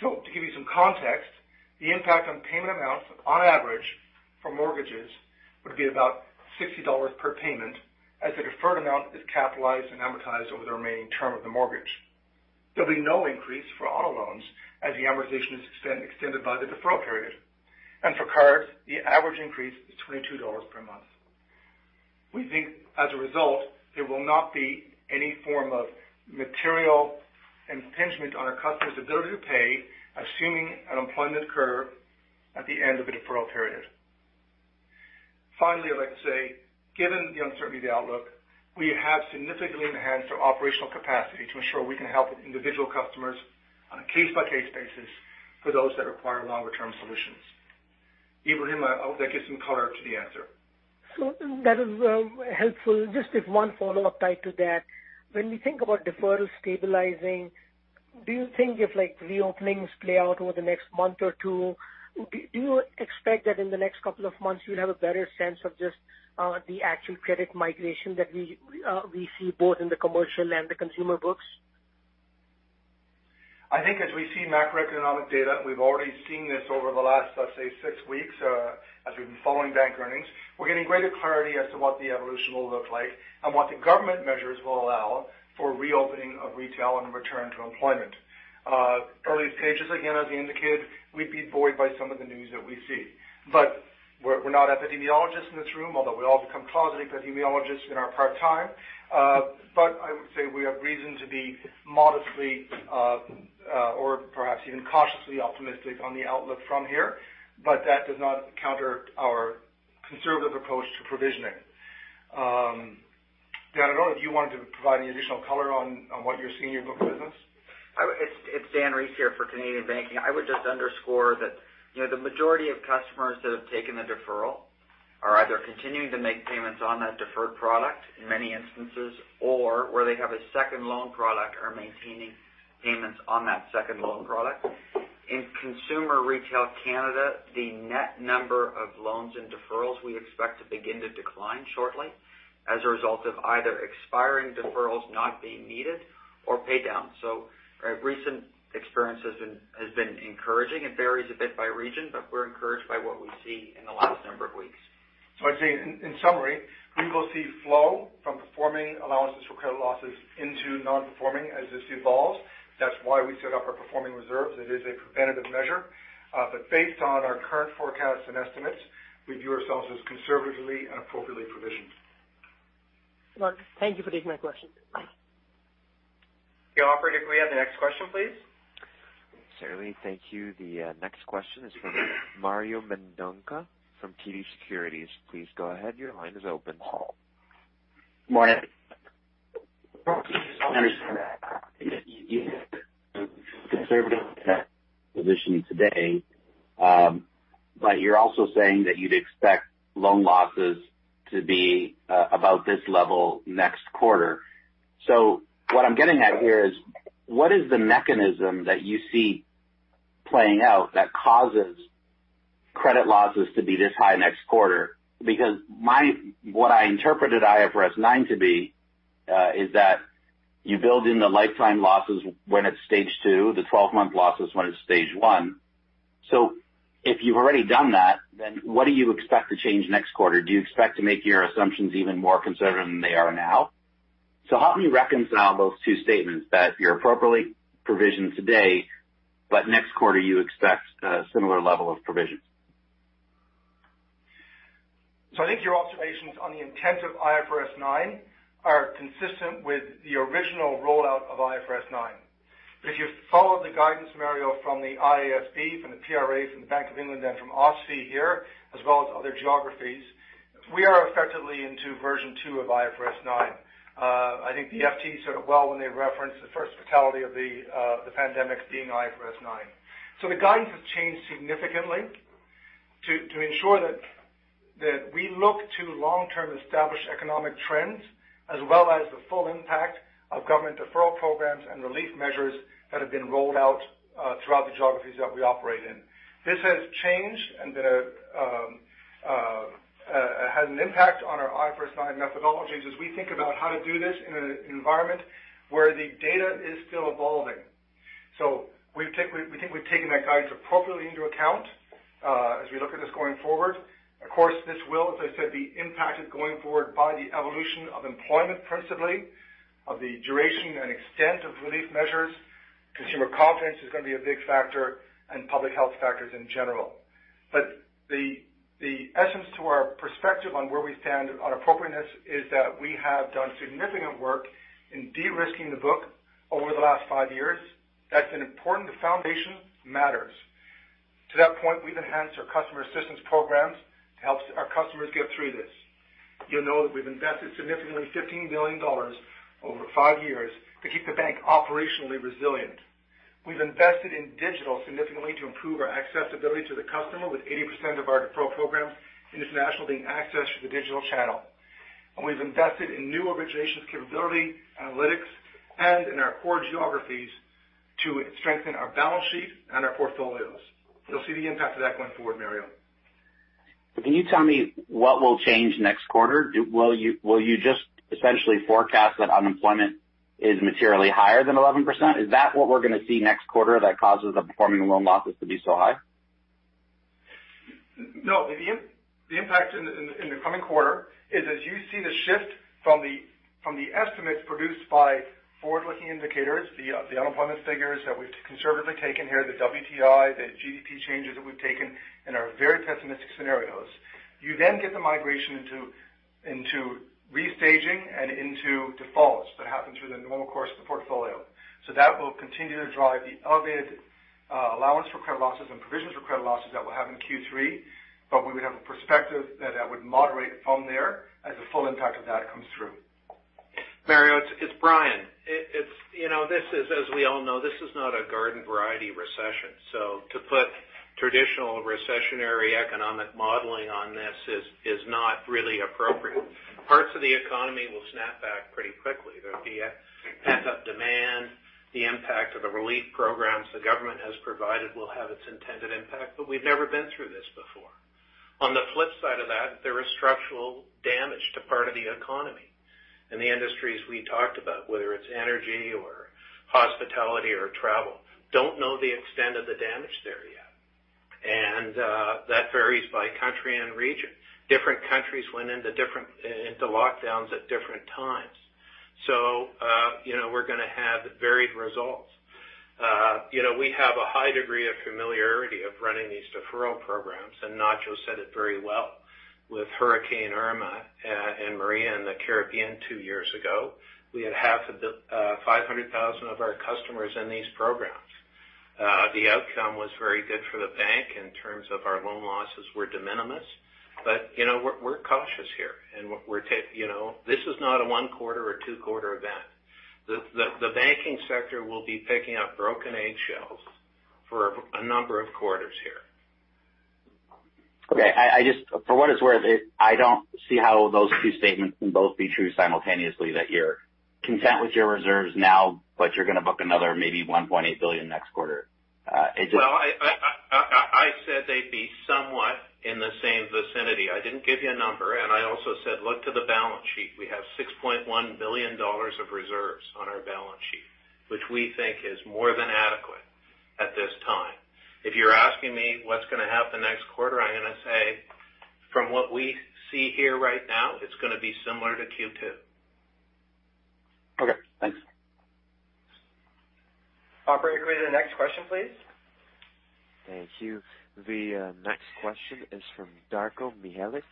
To give you some context, the impact on payment amounts on average for mortgages would be about 60 dollars per payment as the deferred amount is capitalized and amortized over the remaining term of the mortgage. There'll be no increase for auto loans as the amortization is extended by the deferral period. For cards, the average increase is 22 dollars per month. We think as a result, there will not be any form of material impingement on our customers' ability to pay, assuming an employment curve at the end of the deferral period. Finally, I'd like to say, given the uncertainty of the outlook, we have significantly enhanced our operational capacity to ensure we can help individual customers on a case-by-case basis for those that require longer-term solutions. Ebrahim, I hope that gives some color to the answer. That is helpful. Just with one follow-up tied to that, when we think about deferrals stabilizing, do you think if reopenings play out over the next month or two, do you expect that in the next couple of months you will have a better sense of just the actual credit migration that we see both in the commercial and the consumer books? I think as we see macroeconomic data, we've already seen this over the last, let's say, six weeks, as we've been following bank earnings. We're getting greater clarity as to what the evolution will look like and what the government measures will allow for reopening of retail and return to employment. Early stages, again, as indicated, we'd be buoyed by some of the news that we see. We're not epidemiologists in this room, although we all become closet epidemiologists in our part-time. I would say we have reason to be modestly, or perhaps even cautiously optimistic on the outlook from here, but that does not counter our conservative approach to provisioning. Dan, I don't know if you wanted to provide any additional color on what you're seeing in your book of business. It's Dan Rees here for Canadian Banking. I would just underscore that the majority of customers that have taken a deferral are either continuing to make payments on that deferred product in many instances, or where they have a second loan product are maintaining payments on that second loan product. In consumer retail Canada, the net number of loans and deferrals we expect to begin to decline shortly as a result of either expiring deferrals not being needed or paid down. Recent experience has been encouraging. It varies a bit by region, but we're encouraged by what we see in the last number of weeks. I'd say in summary, we will see flow from performing allowances for credit losses into non-performing as this evolves. That's why we set up our performing reserves. It is a preventative measure. Based on our current forecasts and estimates, we view ourselves as conservatively and appropriately provisioned. Alright, thank you for taking my question. Yeah, operator, can we have the next question, please? Certainly. Thank you. The next question is from Mario Mendonca from TD Securities. Please go ahead. Your line is open. Mario. I understand that you have a conservative position today, but you're also saying that you'd expect loan losses to be about this level next quarter. What I'm getting at here is what is the mechanism that you see playing out that causes credit losses to be this high next quarter? What I interpreted IFRS 9 to be is that you build in the lifetime losses when it's stage 2, the 12-month losses when it's stage 1. If you've already done that, then what do you expect to change next quarter? Do you expect to make your assumptions even more conservative than they are now? Help me reconcile those two statements that you're appropriately provisioned today, but next quarter, you expect a similar level of provisions. I think your observations on the intent of IFRS 9 are consistent with the original rollout of IFRS 9. If you follow the guidance scenario from the IASB, from the PRAs, from the Bank of England, and from OSFI here, as well as other geographies, we are effectively into version 2 of IFRS 9. I think the FT said it well when they referenced the first fatality of the pandemic being IFRS 9. The guidance has changed significantly to ensure that we look to long-term established economic trends, as well as the full impact of government deferral programs and relief measures that have been rolled out throughout the geographies that we operate in. This has changed and has an impact on our IFRS 9 methodologies as we think about how to do this in an environment where the data is still evolving. We think we've taken that guidance appropriately into account as we look at this going forward. Of course, this will, as I said, be impacted going forward by the evolution of employment principally, of the duration and extent of relief measures. Consumer confidence is going to be a big factor and public health factors in general. The essence to our perspective on where we stand on appropriateness is that we have done significant work in de-risking the book over the last five years. That's been important. The foundation matters. To that point, we've enhanced our customer assistance programs to help our customers get through this. You'll know that we've invested significantly 15 million dollars over five years to keep the bank operationally resilient. We've invested in digital significantly to improve our accessibility to the customer, with 80% of our deferral programs internationally being accessed through the digital channel. We've invested in new origination capability, analytics, and in our core geographies to strengthen our balance sheet and our portfolios. You'll see the impact of that going forward, Mario. Can you tell me what will change next quarter? Will you just essentially forecast that unemployment is materially higher than 11%? Is that what we're going to see next quarter that causes the performing loan losses to be so high? No. The impact in the coming quarter is as you see the shift from the estimates produced by forward-looking indicators, the unemployment figures that we've conservatively taken here, the WTI, the GDP changes that we've taken in our very pessimistic scenarios. You get the migration into restaging and into defaults that happen through the normal course of the portfolio. That will continue to drive the elevated allowance for credit losses and provisions for credit losses that we'll have in Q3. We would have a perspective that would moderate from there as the full impact of that comes through. Mario, it's Brian. As we all know, this is not a garden variety recession, so to put traditional recessionary economic modeling on this is not really appropriate. Parts of the economy will snap back pretty quickly. There'll be a pent-up demand. The impact of the relief programs the government has provided will have its intended impact, but we've never been through this before. On the flip side of that, there is structural damage to part of the economy. The industries we talked about, whether it's energy or hospitality or travel, don't know the extent of the damage there yet. That varies by country and region. Different countries went into lockdowns at different times. We're going to have varied results. We have a high degree of familiarity of running these deferral programs, and Nacho said it very well. With Hurricane Irma and Maria in the Caribbean two years ago, we had half of the 500,000 of our customers in these programs. The outcome was very good for the bank in terms of our loan losses were de minimis. We're cautious here. This is not a one quarter or two quarter event. The banking sector will be picking up broken eggshells for a number of quarters here. Okay. For what it's worth, I don't see how those two statements can both be true simultaneously, that you're content with your reserves now, but you're going to book another maybe 1.8 billion next quarter. Well, I said they'd be somewhat in the same vicinity. I didn't give you a number. I also said, look to the balance sheet. We have 6.1 billion dollars of reserves on our balance sheet, which we think is more than adequate at this time. If you're asking me what's going to happen next quarter, I'm going to say, from what we see here right now, it's going to be similar to Q2. Okay. Thanks. Operator, can we have the next question, please? Thank you. The next question is from Darko Mihelic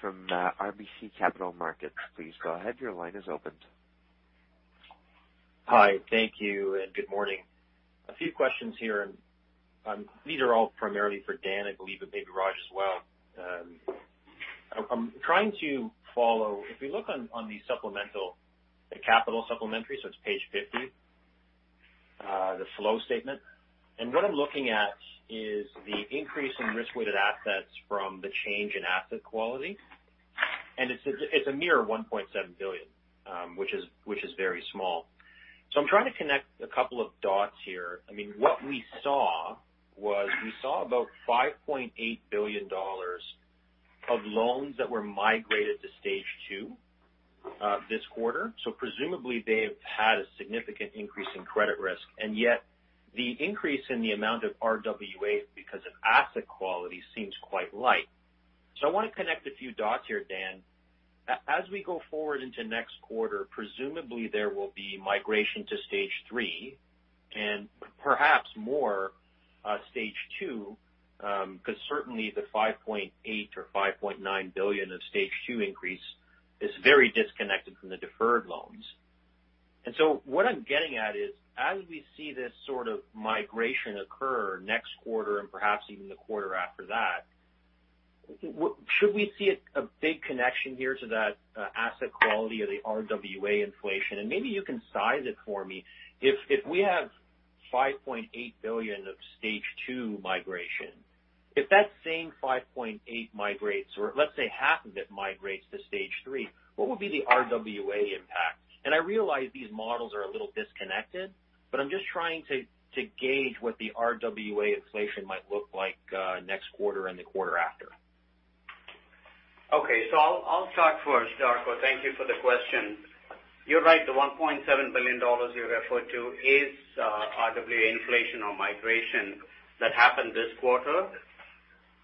from RBC Capital Markets. Please go ahead. Your line is opened. Hi. Thank you, and good morning. A few questions here. These are all primarily for Dan, I believe, but maybe Raj as well. I'm trying to follow. If we look on the capital supplementary, it's page 50, the flow statement. What I'm looking at is the increase in risk-weighted assets from the change in asset quality. It's a mere 1.7 billion, which is very small. I'm trying to connect a couple of dots here. What we saw was about 5.8 billion dollars of loans that were migrated to stage 2 this quarter. Presumably, they have had a significant increase in credit risk, and yet the increase in the amount of RWA because of asset quality seems quite light. I want to connect a few dots here, Dan. As we go forward into next quarter, presumably there will be migration to stage 3 and perhaps more stage 2, because certainly the 5.8 billion or 5.9 billion of stage 2 increase is very disconnected from the deferred loans. What I'm getting at is, as we see this sort of migration occur next quarter and perhaps even the quarter after that, should we see a big connection here to that asset quality of the RWA inflation? Maybe you can size it for me. If we have 5.8 billion of stage 2 migration, if that same 5.8 billion migrates, or let's say half of it migrates to stage 3, what would be the RWA impact? I realize these models are a little disconnected, but I'm just trying to gauge what the RWA inflation might look like next quarter and the quarter after. Okay. I'll start first, Darko. Thank you for the question. You're right, the 1.7 billion dollars you referred to is RWA inflation or migration that happened this quarter.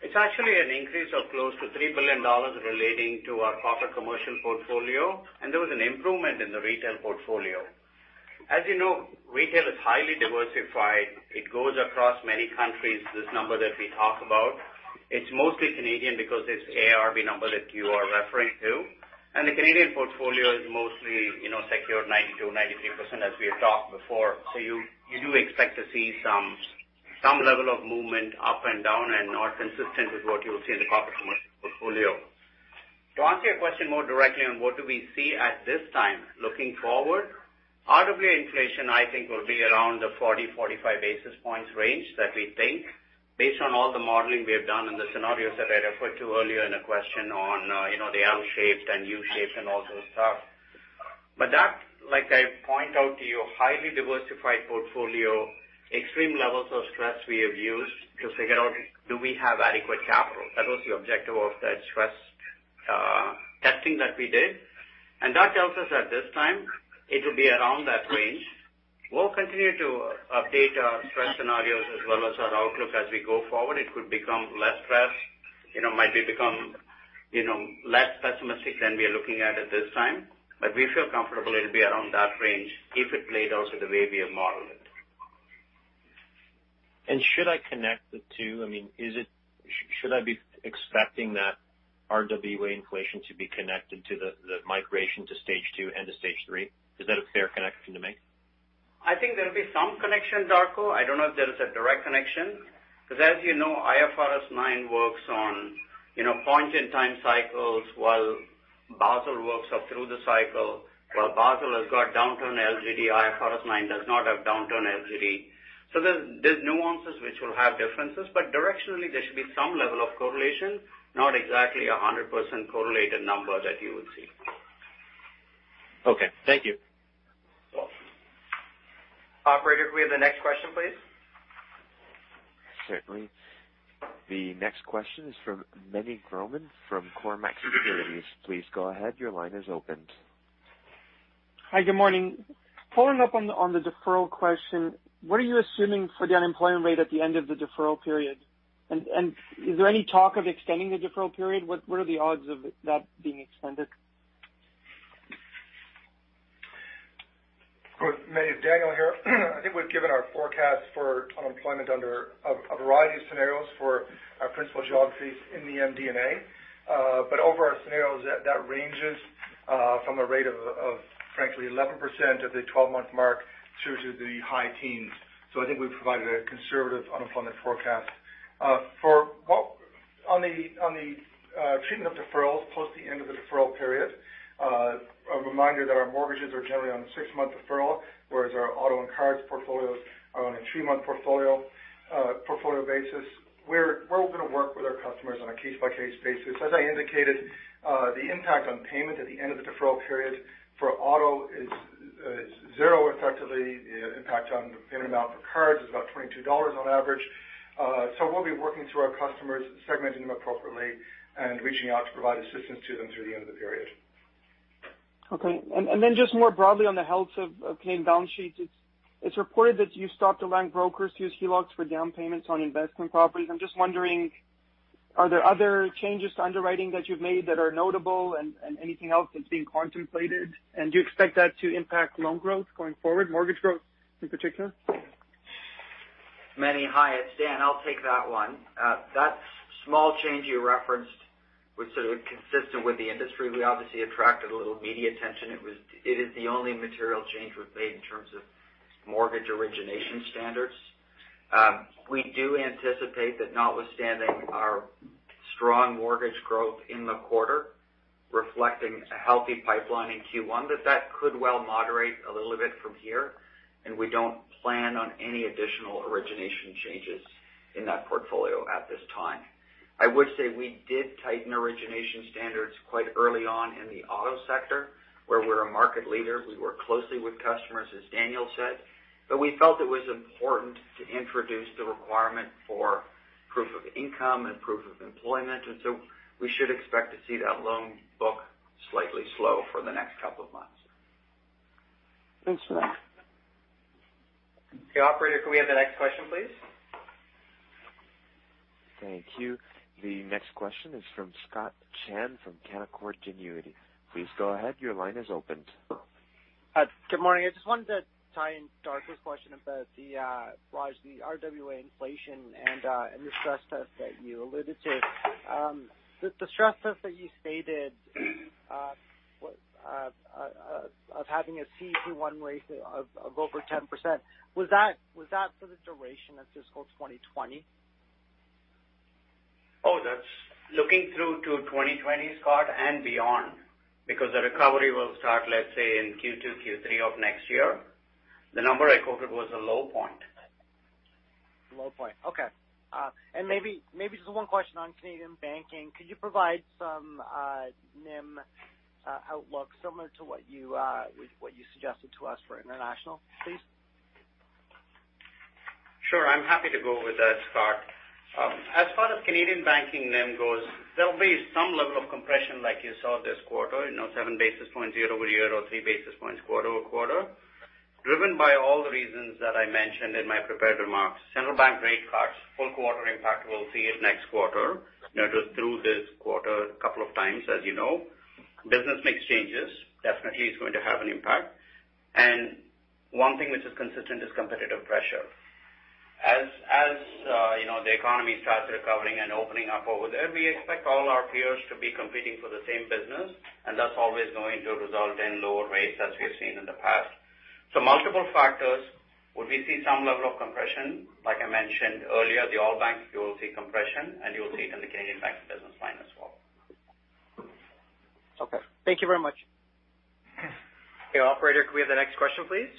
It's actually an increase of close to 3 billion dollars relating to our corporate commercial portfolio, and there was an improvement in the retail portfolio. As you know, retail is highly diversified. It goes across many countries, this number that we talk about. It's mostly Canadian because it's AIRB number that you are referring to, and the Canadian portfolio is mostly secured 92%-93% as we have talked before. You do expect to see some level of movement up and down and not consistent with what you'll see in the corporate commercial portfolio. To answer your question more directly on what do we see at this time looking forward, RWA inflation, I think, will be around the 40, 45 basis points range that we think based on all the modeling we have done and the scenarios that I referred to earlier in a question on the L-shaped and U-shaped and all those stuff. That, like I point out to you, highly diversified portfolio, extreme levels of stress we have used to figure out do we have adequate capital? That was the objective of that stress testing that we did. That tells us at this time it will be around that range. We'll continue to update our stress scenarios as well as our outlook as we go forward. It could become less stressed, might become less pessimistic than we are looking at this time. We feel comfortable it'll be around that range if it played out the way we have modeled it. Should I connect the two? Should I be expecting that RWA inflation to be connected to the migration to stage 2 and to stage 3? Is that a fair connection to make? I think there'll be some connection, Darko. I don't know if there is a direct connection because as you know, IFRS 9 works on point-in-time cycles while Basel works through the cycle. While Basel has got downturn LGD, IFRS 9 does not have downturn LGD. There's nuances which will have differences, but directionally there should be some level of correlation, not exactly 100% correlated number that you would see. Okay. Thank you. Welcome. Operator, can we have the next question, please? Certainly. The next question is from Meny Grauman from Cormark Securities. Please go ahead. Your line is opened. Hi, good morning. Following up on the deferral question, what are you assuming for the unemployment rate at the end of the deferral period? Is there any talk of extending the deferral period? What are the odds of that being extended? Good. Meny, Daniel here. I think we've given our forecast for unemployment under a variety of scenarios for our principal geographies in the MD&A. Over our scenarios that ranges from a rate of frankly 11% at the 12-month mark through to the high teens. I think we've provided a conservative unemployment forecast. On the treatment of deferrals post the end of the deferral period, a reminder that our mortgages are generally on a six-month deferral, whereas our auto and cards portfolios are on a three-month portfolio basis. We're open to work with our customers on a case-by-case basis. As I indicated, the impact on payment at the end of the deferral period for auto is zero effectively. The impact on in and out for cards is about 22 dollars on average. We'll be working through our customers, segmenting them appropriately, and reaching out to provide assistance to them through the end of the period. Okay. Just more broadly on the health of clean balance sheets. It's reported that you stopped allowing brokers to use HELOCs for down payments on investment properties. I'm just wondering, are there other changes to underwriting that you've made that are notable and anything else that's being contemplated? Do you expect that to impact loan growth going forward, mortgage growth in particular? Meny, hi. It's Dan. I'll take that one. That small change you referenced was sort of consistent with the industry. We obviously attracted a little media attention. It is the only material change we've made in terms of mortgage origination standards. We do anticipate that notwithstanding our strong mortgage growth in the quarter reflecting a healthy pipeline in Q1, that that could well moderate a little bit from here, and we don't plan on any additional origination changes in that portfolio at this time. I would say we did tighten origination standards quite early on in the auto sector, where we're a market leader. We work closely with customers, as Daniel said, but we felt it was important to introduce the requirement for proof of income and proof of employment. We should expect to see that loan book slightly slow for the next couple of months. Thanks for that. Okay, operator, could we have the next question, please? Thank you. The next question is from Scott Chan from Canaccord Genuity. Please go ahead. Your line is open. Good morning. I just wanted to tie in Darko's question about the RWA inflation and the stress test that you alluded to. The stress test that you stated of having a CET1 one ratio of over 10%, was that for the duration of fiscal 2020? That's looking through to 2020, Scott, and beyond. The recovery will start, let's say, in Q2, Q3 of next year. The number I quoted was a low point. Low point. Okay. Maybe just one question on Canadian Banking. Could you provide some NIM outlook similar to what you suggested to us for International, please? Sure, I'm happy to go with that, Scott. As far as Canadian Banking NIM goes, there'll be some level of compression like you saw this quarter, seven basis points year-over-year or three basis points quarter-over-quarter, driven by all the reasons that I mentioned in my prepared remarks. Central Bank rate cuts, full quarter impact, we'll see it next quarter. It was through this quarter a couple of times, as you know. Business mix changes definitely is going to have an impact. One thing which is consistent is competitive pressure. As the economy starts recovering and opening up over there, we expect all our peers to be competing for the same business, and that's always going to result in lower rates as we have seen in the past. Multiple factors. Will we see some level of compression? Like I mentioned earlier, the all banks, you will see compression, and you'll see it in the Canadian bank business line as well. Okay. Thank you very much. Okay, operator, can we have the next question, please?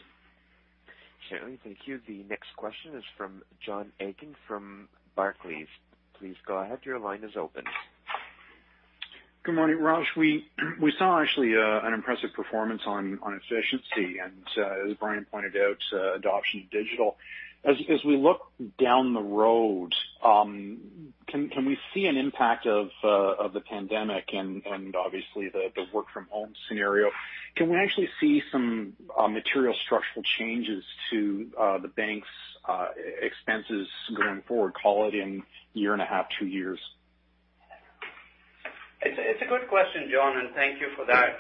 Sure. Thank you. The next question is from John Aitken from Barclays. Please go ahead. Your line is open. Good morning, Raj. We saw actually an impressive performance on efficiency and, as Brian pointed out, adoption of digital. As we look down the road, can we see an impact of the pandemic and obviously the work from home scenario? Can we actually see some material structural changes to the bank's expenses going forward, call it in year and a half, two years? It's a good question, John. Thank you for that.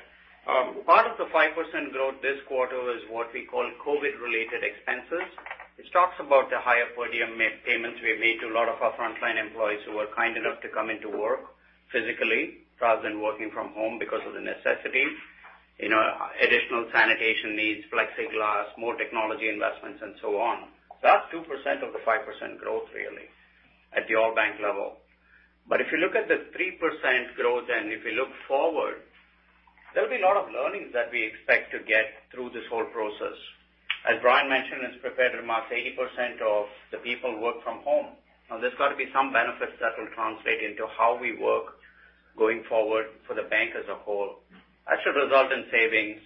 Part of the 5% growth this quarter is what we call COVID-related expenses, which talks about the higher per diem payments we made to a lot of our frontline employees who were kind enough to come into work physically rather than working from home because of the necessity. Additional sanitation needs, plexiglass, more technology investments, and so on. That's 2% of the 5% growth really at the overall bank level. If you look at the 3% growth and if you look forward, there'll be a lot of learnings that we expect to get through this whole process. As Brian mentioned in his prepared remarks, 80% of the people work from home. There's got to be some benefits that will translate into how we work going forward for the bank as a whole. That should result in savings.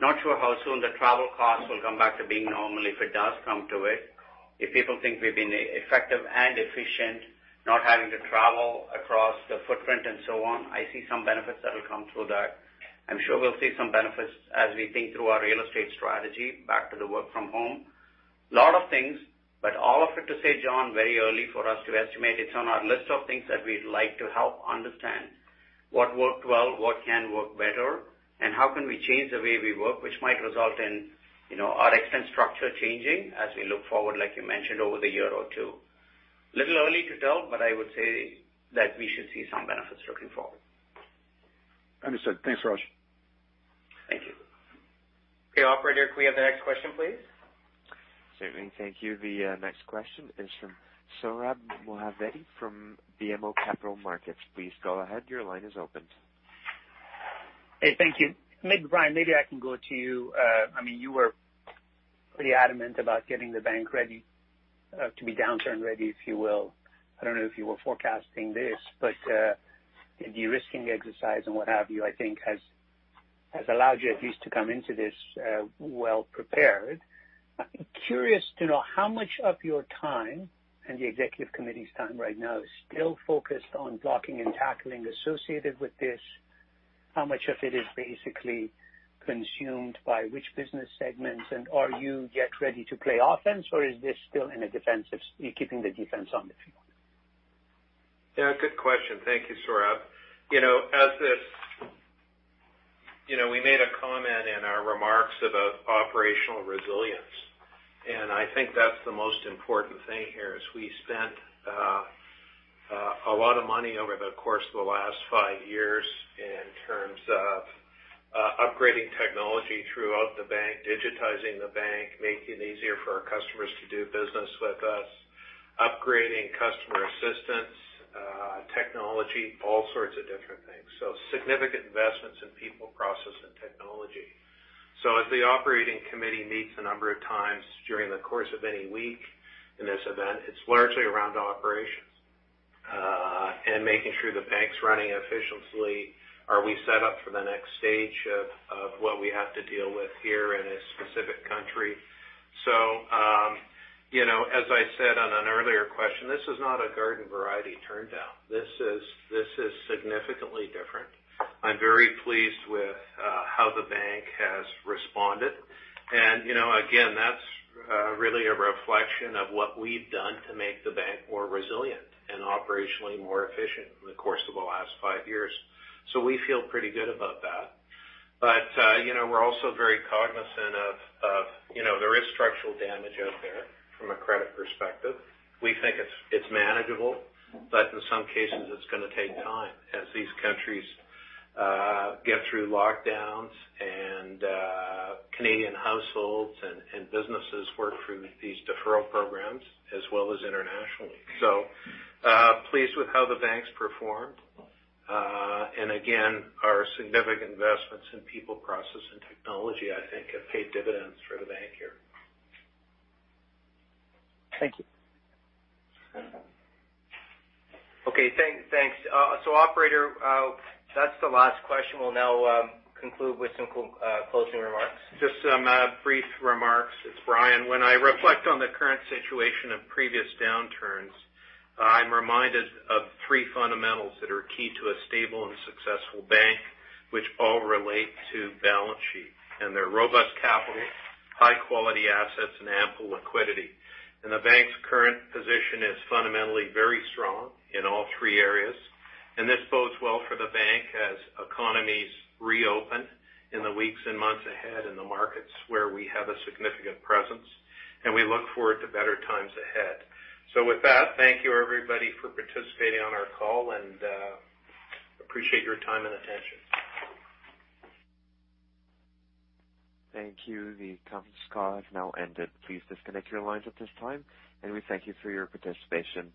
Not sure how soon the travel costs will come back to being normal, if it does come to it. If people think we've been effective and efficient not having to travel across the footprint and so on, I see some benefits that will come through that. I'm sure we'll see some benefits as we think through our real estate strategy back to the work from home. Lot of things, but all of it to say, John, very early for us to estimate. It's on our list of things that we'd like to help understand what worked well, what can work better, and how can we change the way we work, which might result in our expense structure changing as we look forward, like you mentioned, over the year or two. Little early to tell, but I would say that we should see some benefits looking forward. Understood. Thanks, Raj. Thank you. Okay, operator, can we have the next question, please? Certainly. Thank you. The next question is from Sohrab Movahedi from BMO Capital Markets. Please go ahead. Your line is opened. Hey, thank you. Brian, maybe I can go to you. You were pretty adamant about getting the bank ready to be downturn ready, if you will. I don't know if you were forecasting this, but the de-risking exercise and what have you, I think has allowed you at least to come into this well prepared. I'm curious to know how much of your time and the executive committee's time right now is still focused on blocking and tackling associated with this, how much of it is basically consumed by which business segments, and are you yet ready to play offense, or is this still in a defensive, keeping the defense on the field? Yeah, good question. Thank you, Sohrab. We made a comment in our remarks about operational resilience. I think that's the most important thing here is we spent a lot of money over the course of the last five years in terms of upgrading technology throughout the bank, digitizing the bank, making it easier for our customers to do business with us, upgrading customer assistance, technology, all sorts of different things. Significant investments in people, process, and technology. As the operating committee meets a number of times during the course of any week in this event, it's largely around operations, and making sure the bank's running efficiently. Are we set up for the next stage of what we have to deal with here in a specific country? As I said on an earlier question, this is not a garden variety turndown. This is significantly different. I'm very pleased with how the bank has responded. That's really a reflection of what we've done to make the bank more resilient and operationally more efficient in the course of the last five years. We feel pretty good about that. We're also very cognizant of there is structural damage out there from a credit perspective. We think it's manageable, but in some cases, it's going to take time as these countries get through lockdowns and Canadian households and businesses work through these deferral programs as well as internationally. Pleased with how the bank's performed. Our significant investments in people, process, and technology, I think have paid dividends for the bank here. Thank you. Okay. Thanks. Operator, that's the last question. We'll now conclude with some closing remarks. Just some brief remarks. It's Brian. When I reflect on the current situation of previous downturns, I'm reminded of three fundamentals that are key to a stable and successful bank, which all relate to balance sheet, and they're robust capital, high quality assets, and ample liquidity. The bank's current position is fundamentally very strong in all three areas, and this bodes well for the bank as economies reopen in the weeks and months ahead in the markets where we have a significant presence, and we look forward to better times ahead. With that, thank you everybody for participating on our call, and appreciate your time and attention. Thank you. The conference call has now ended. Please disconnect your lines at this time, and we thank you for your participation.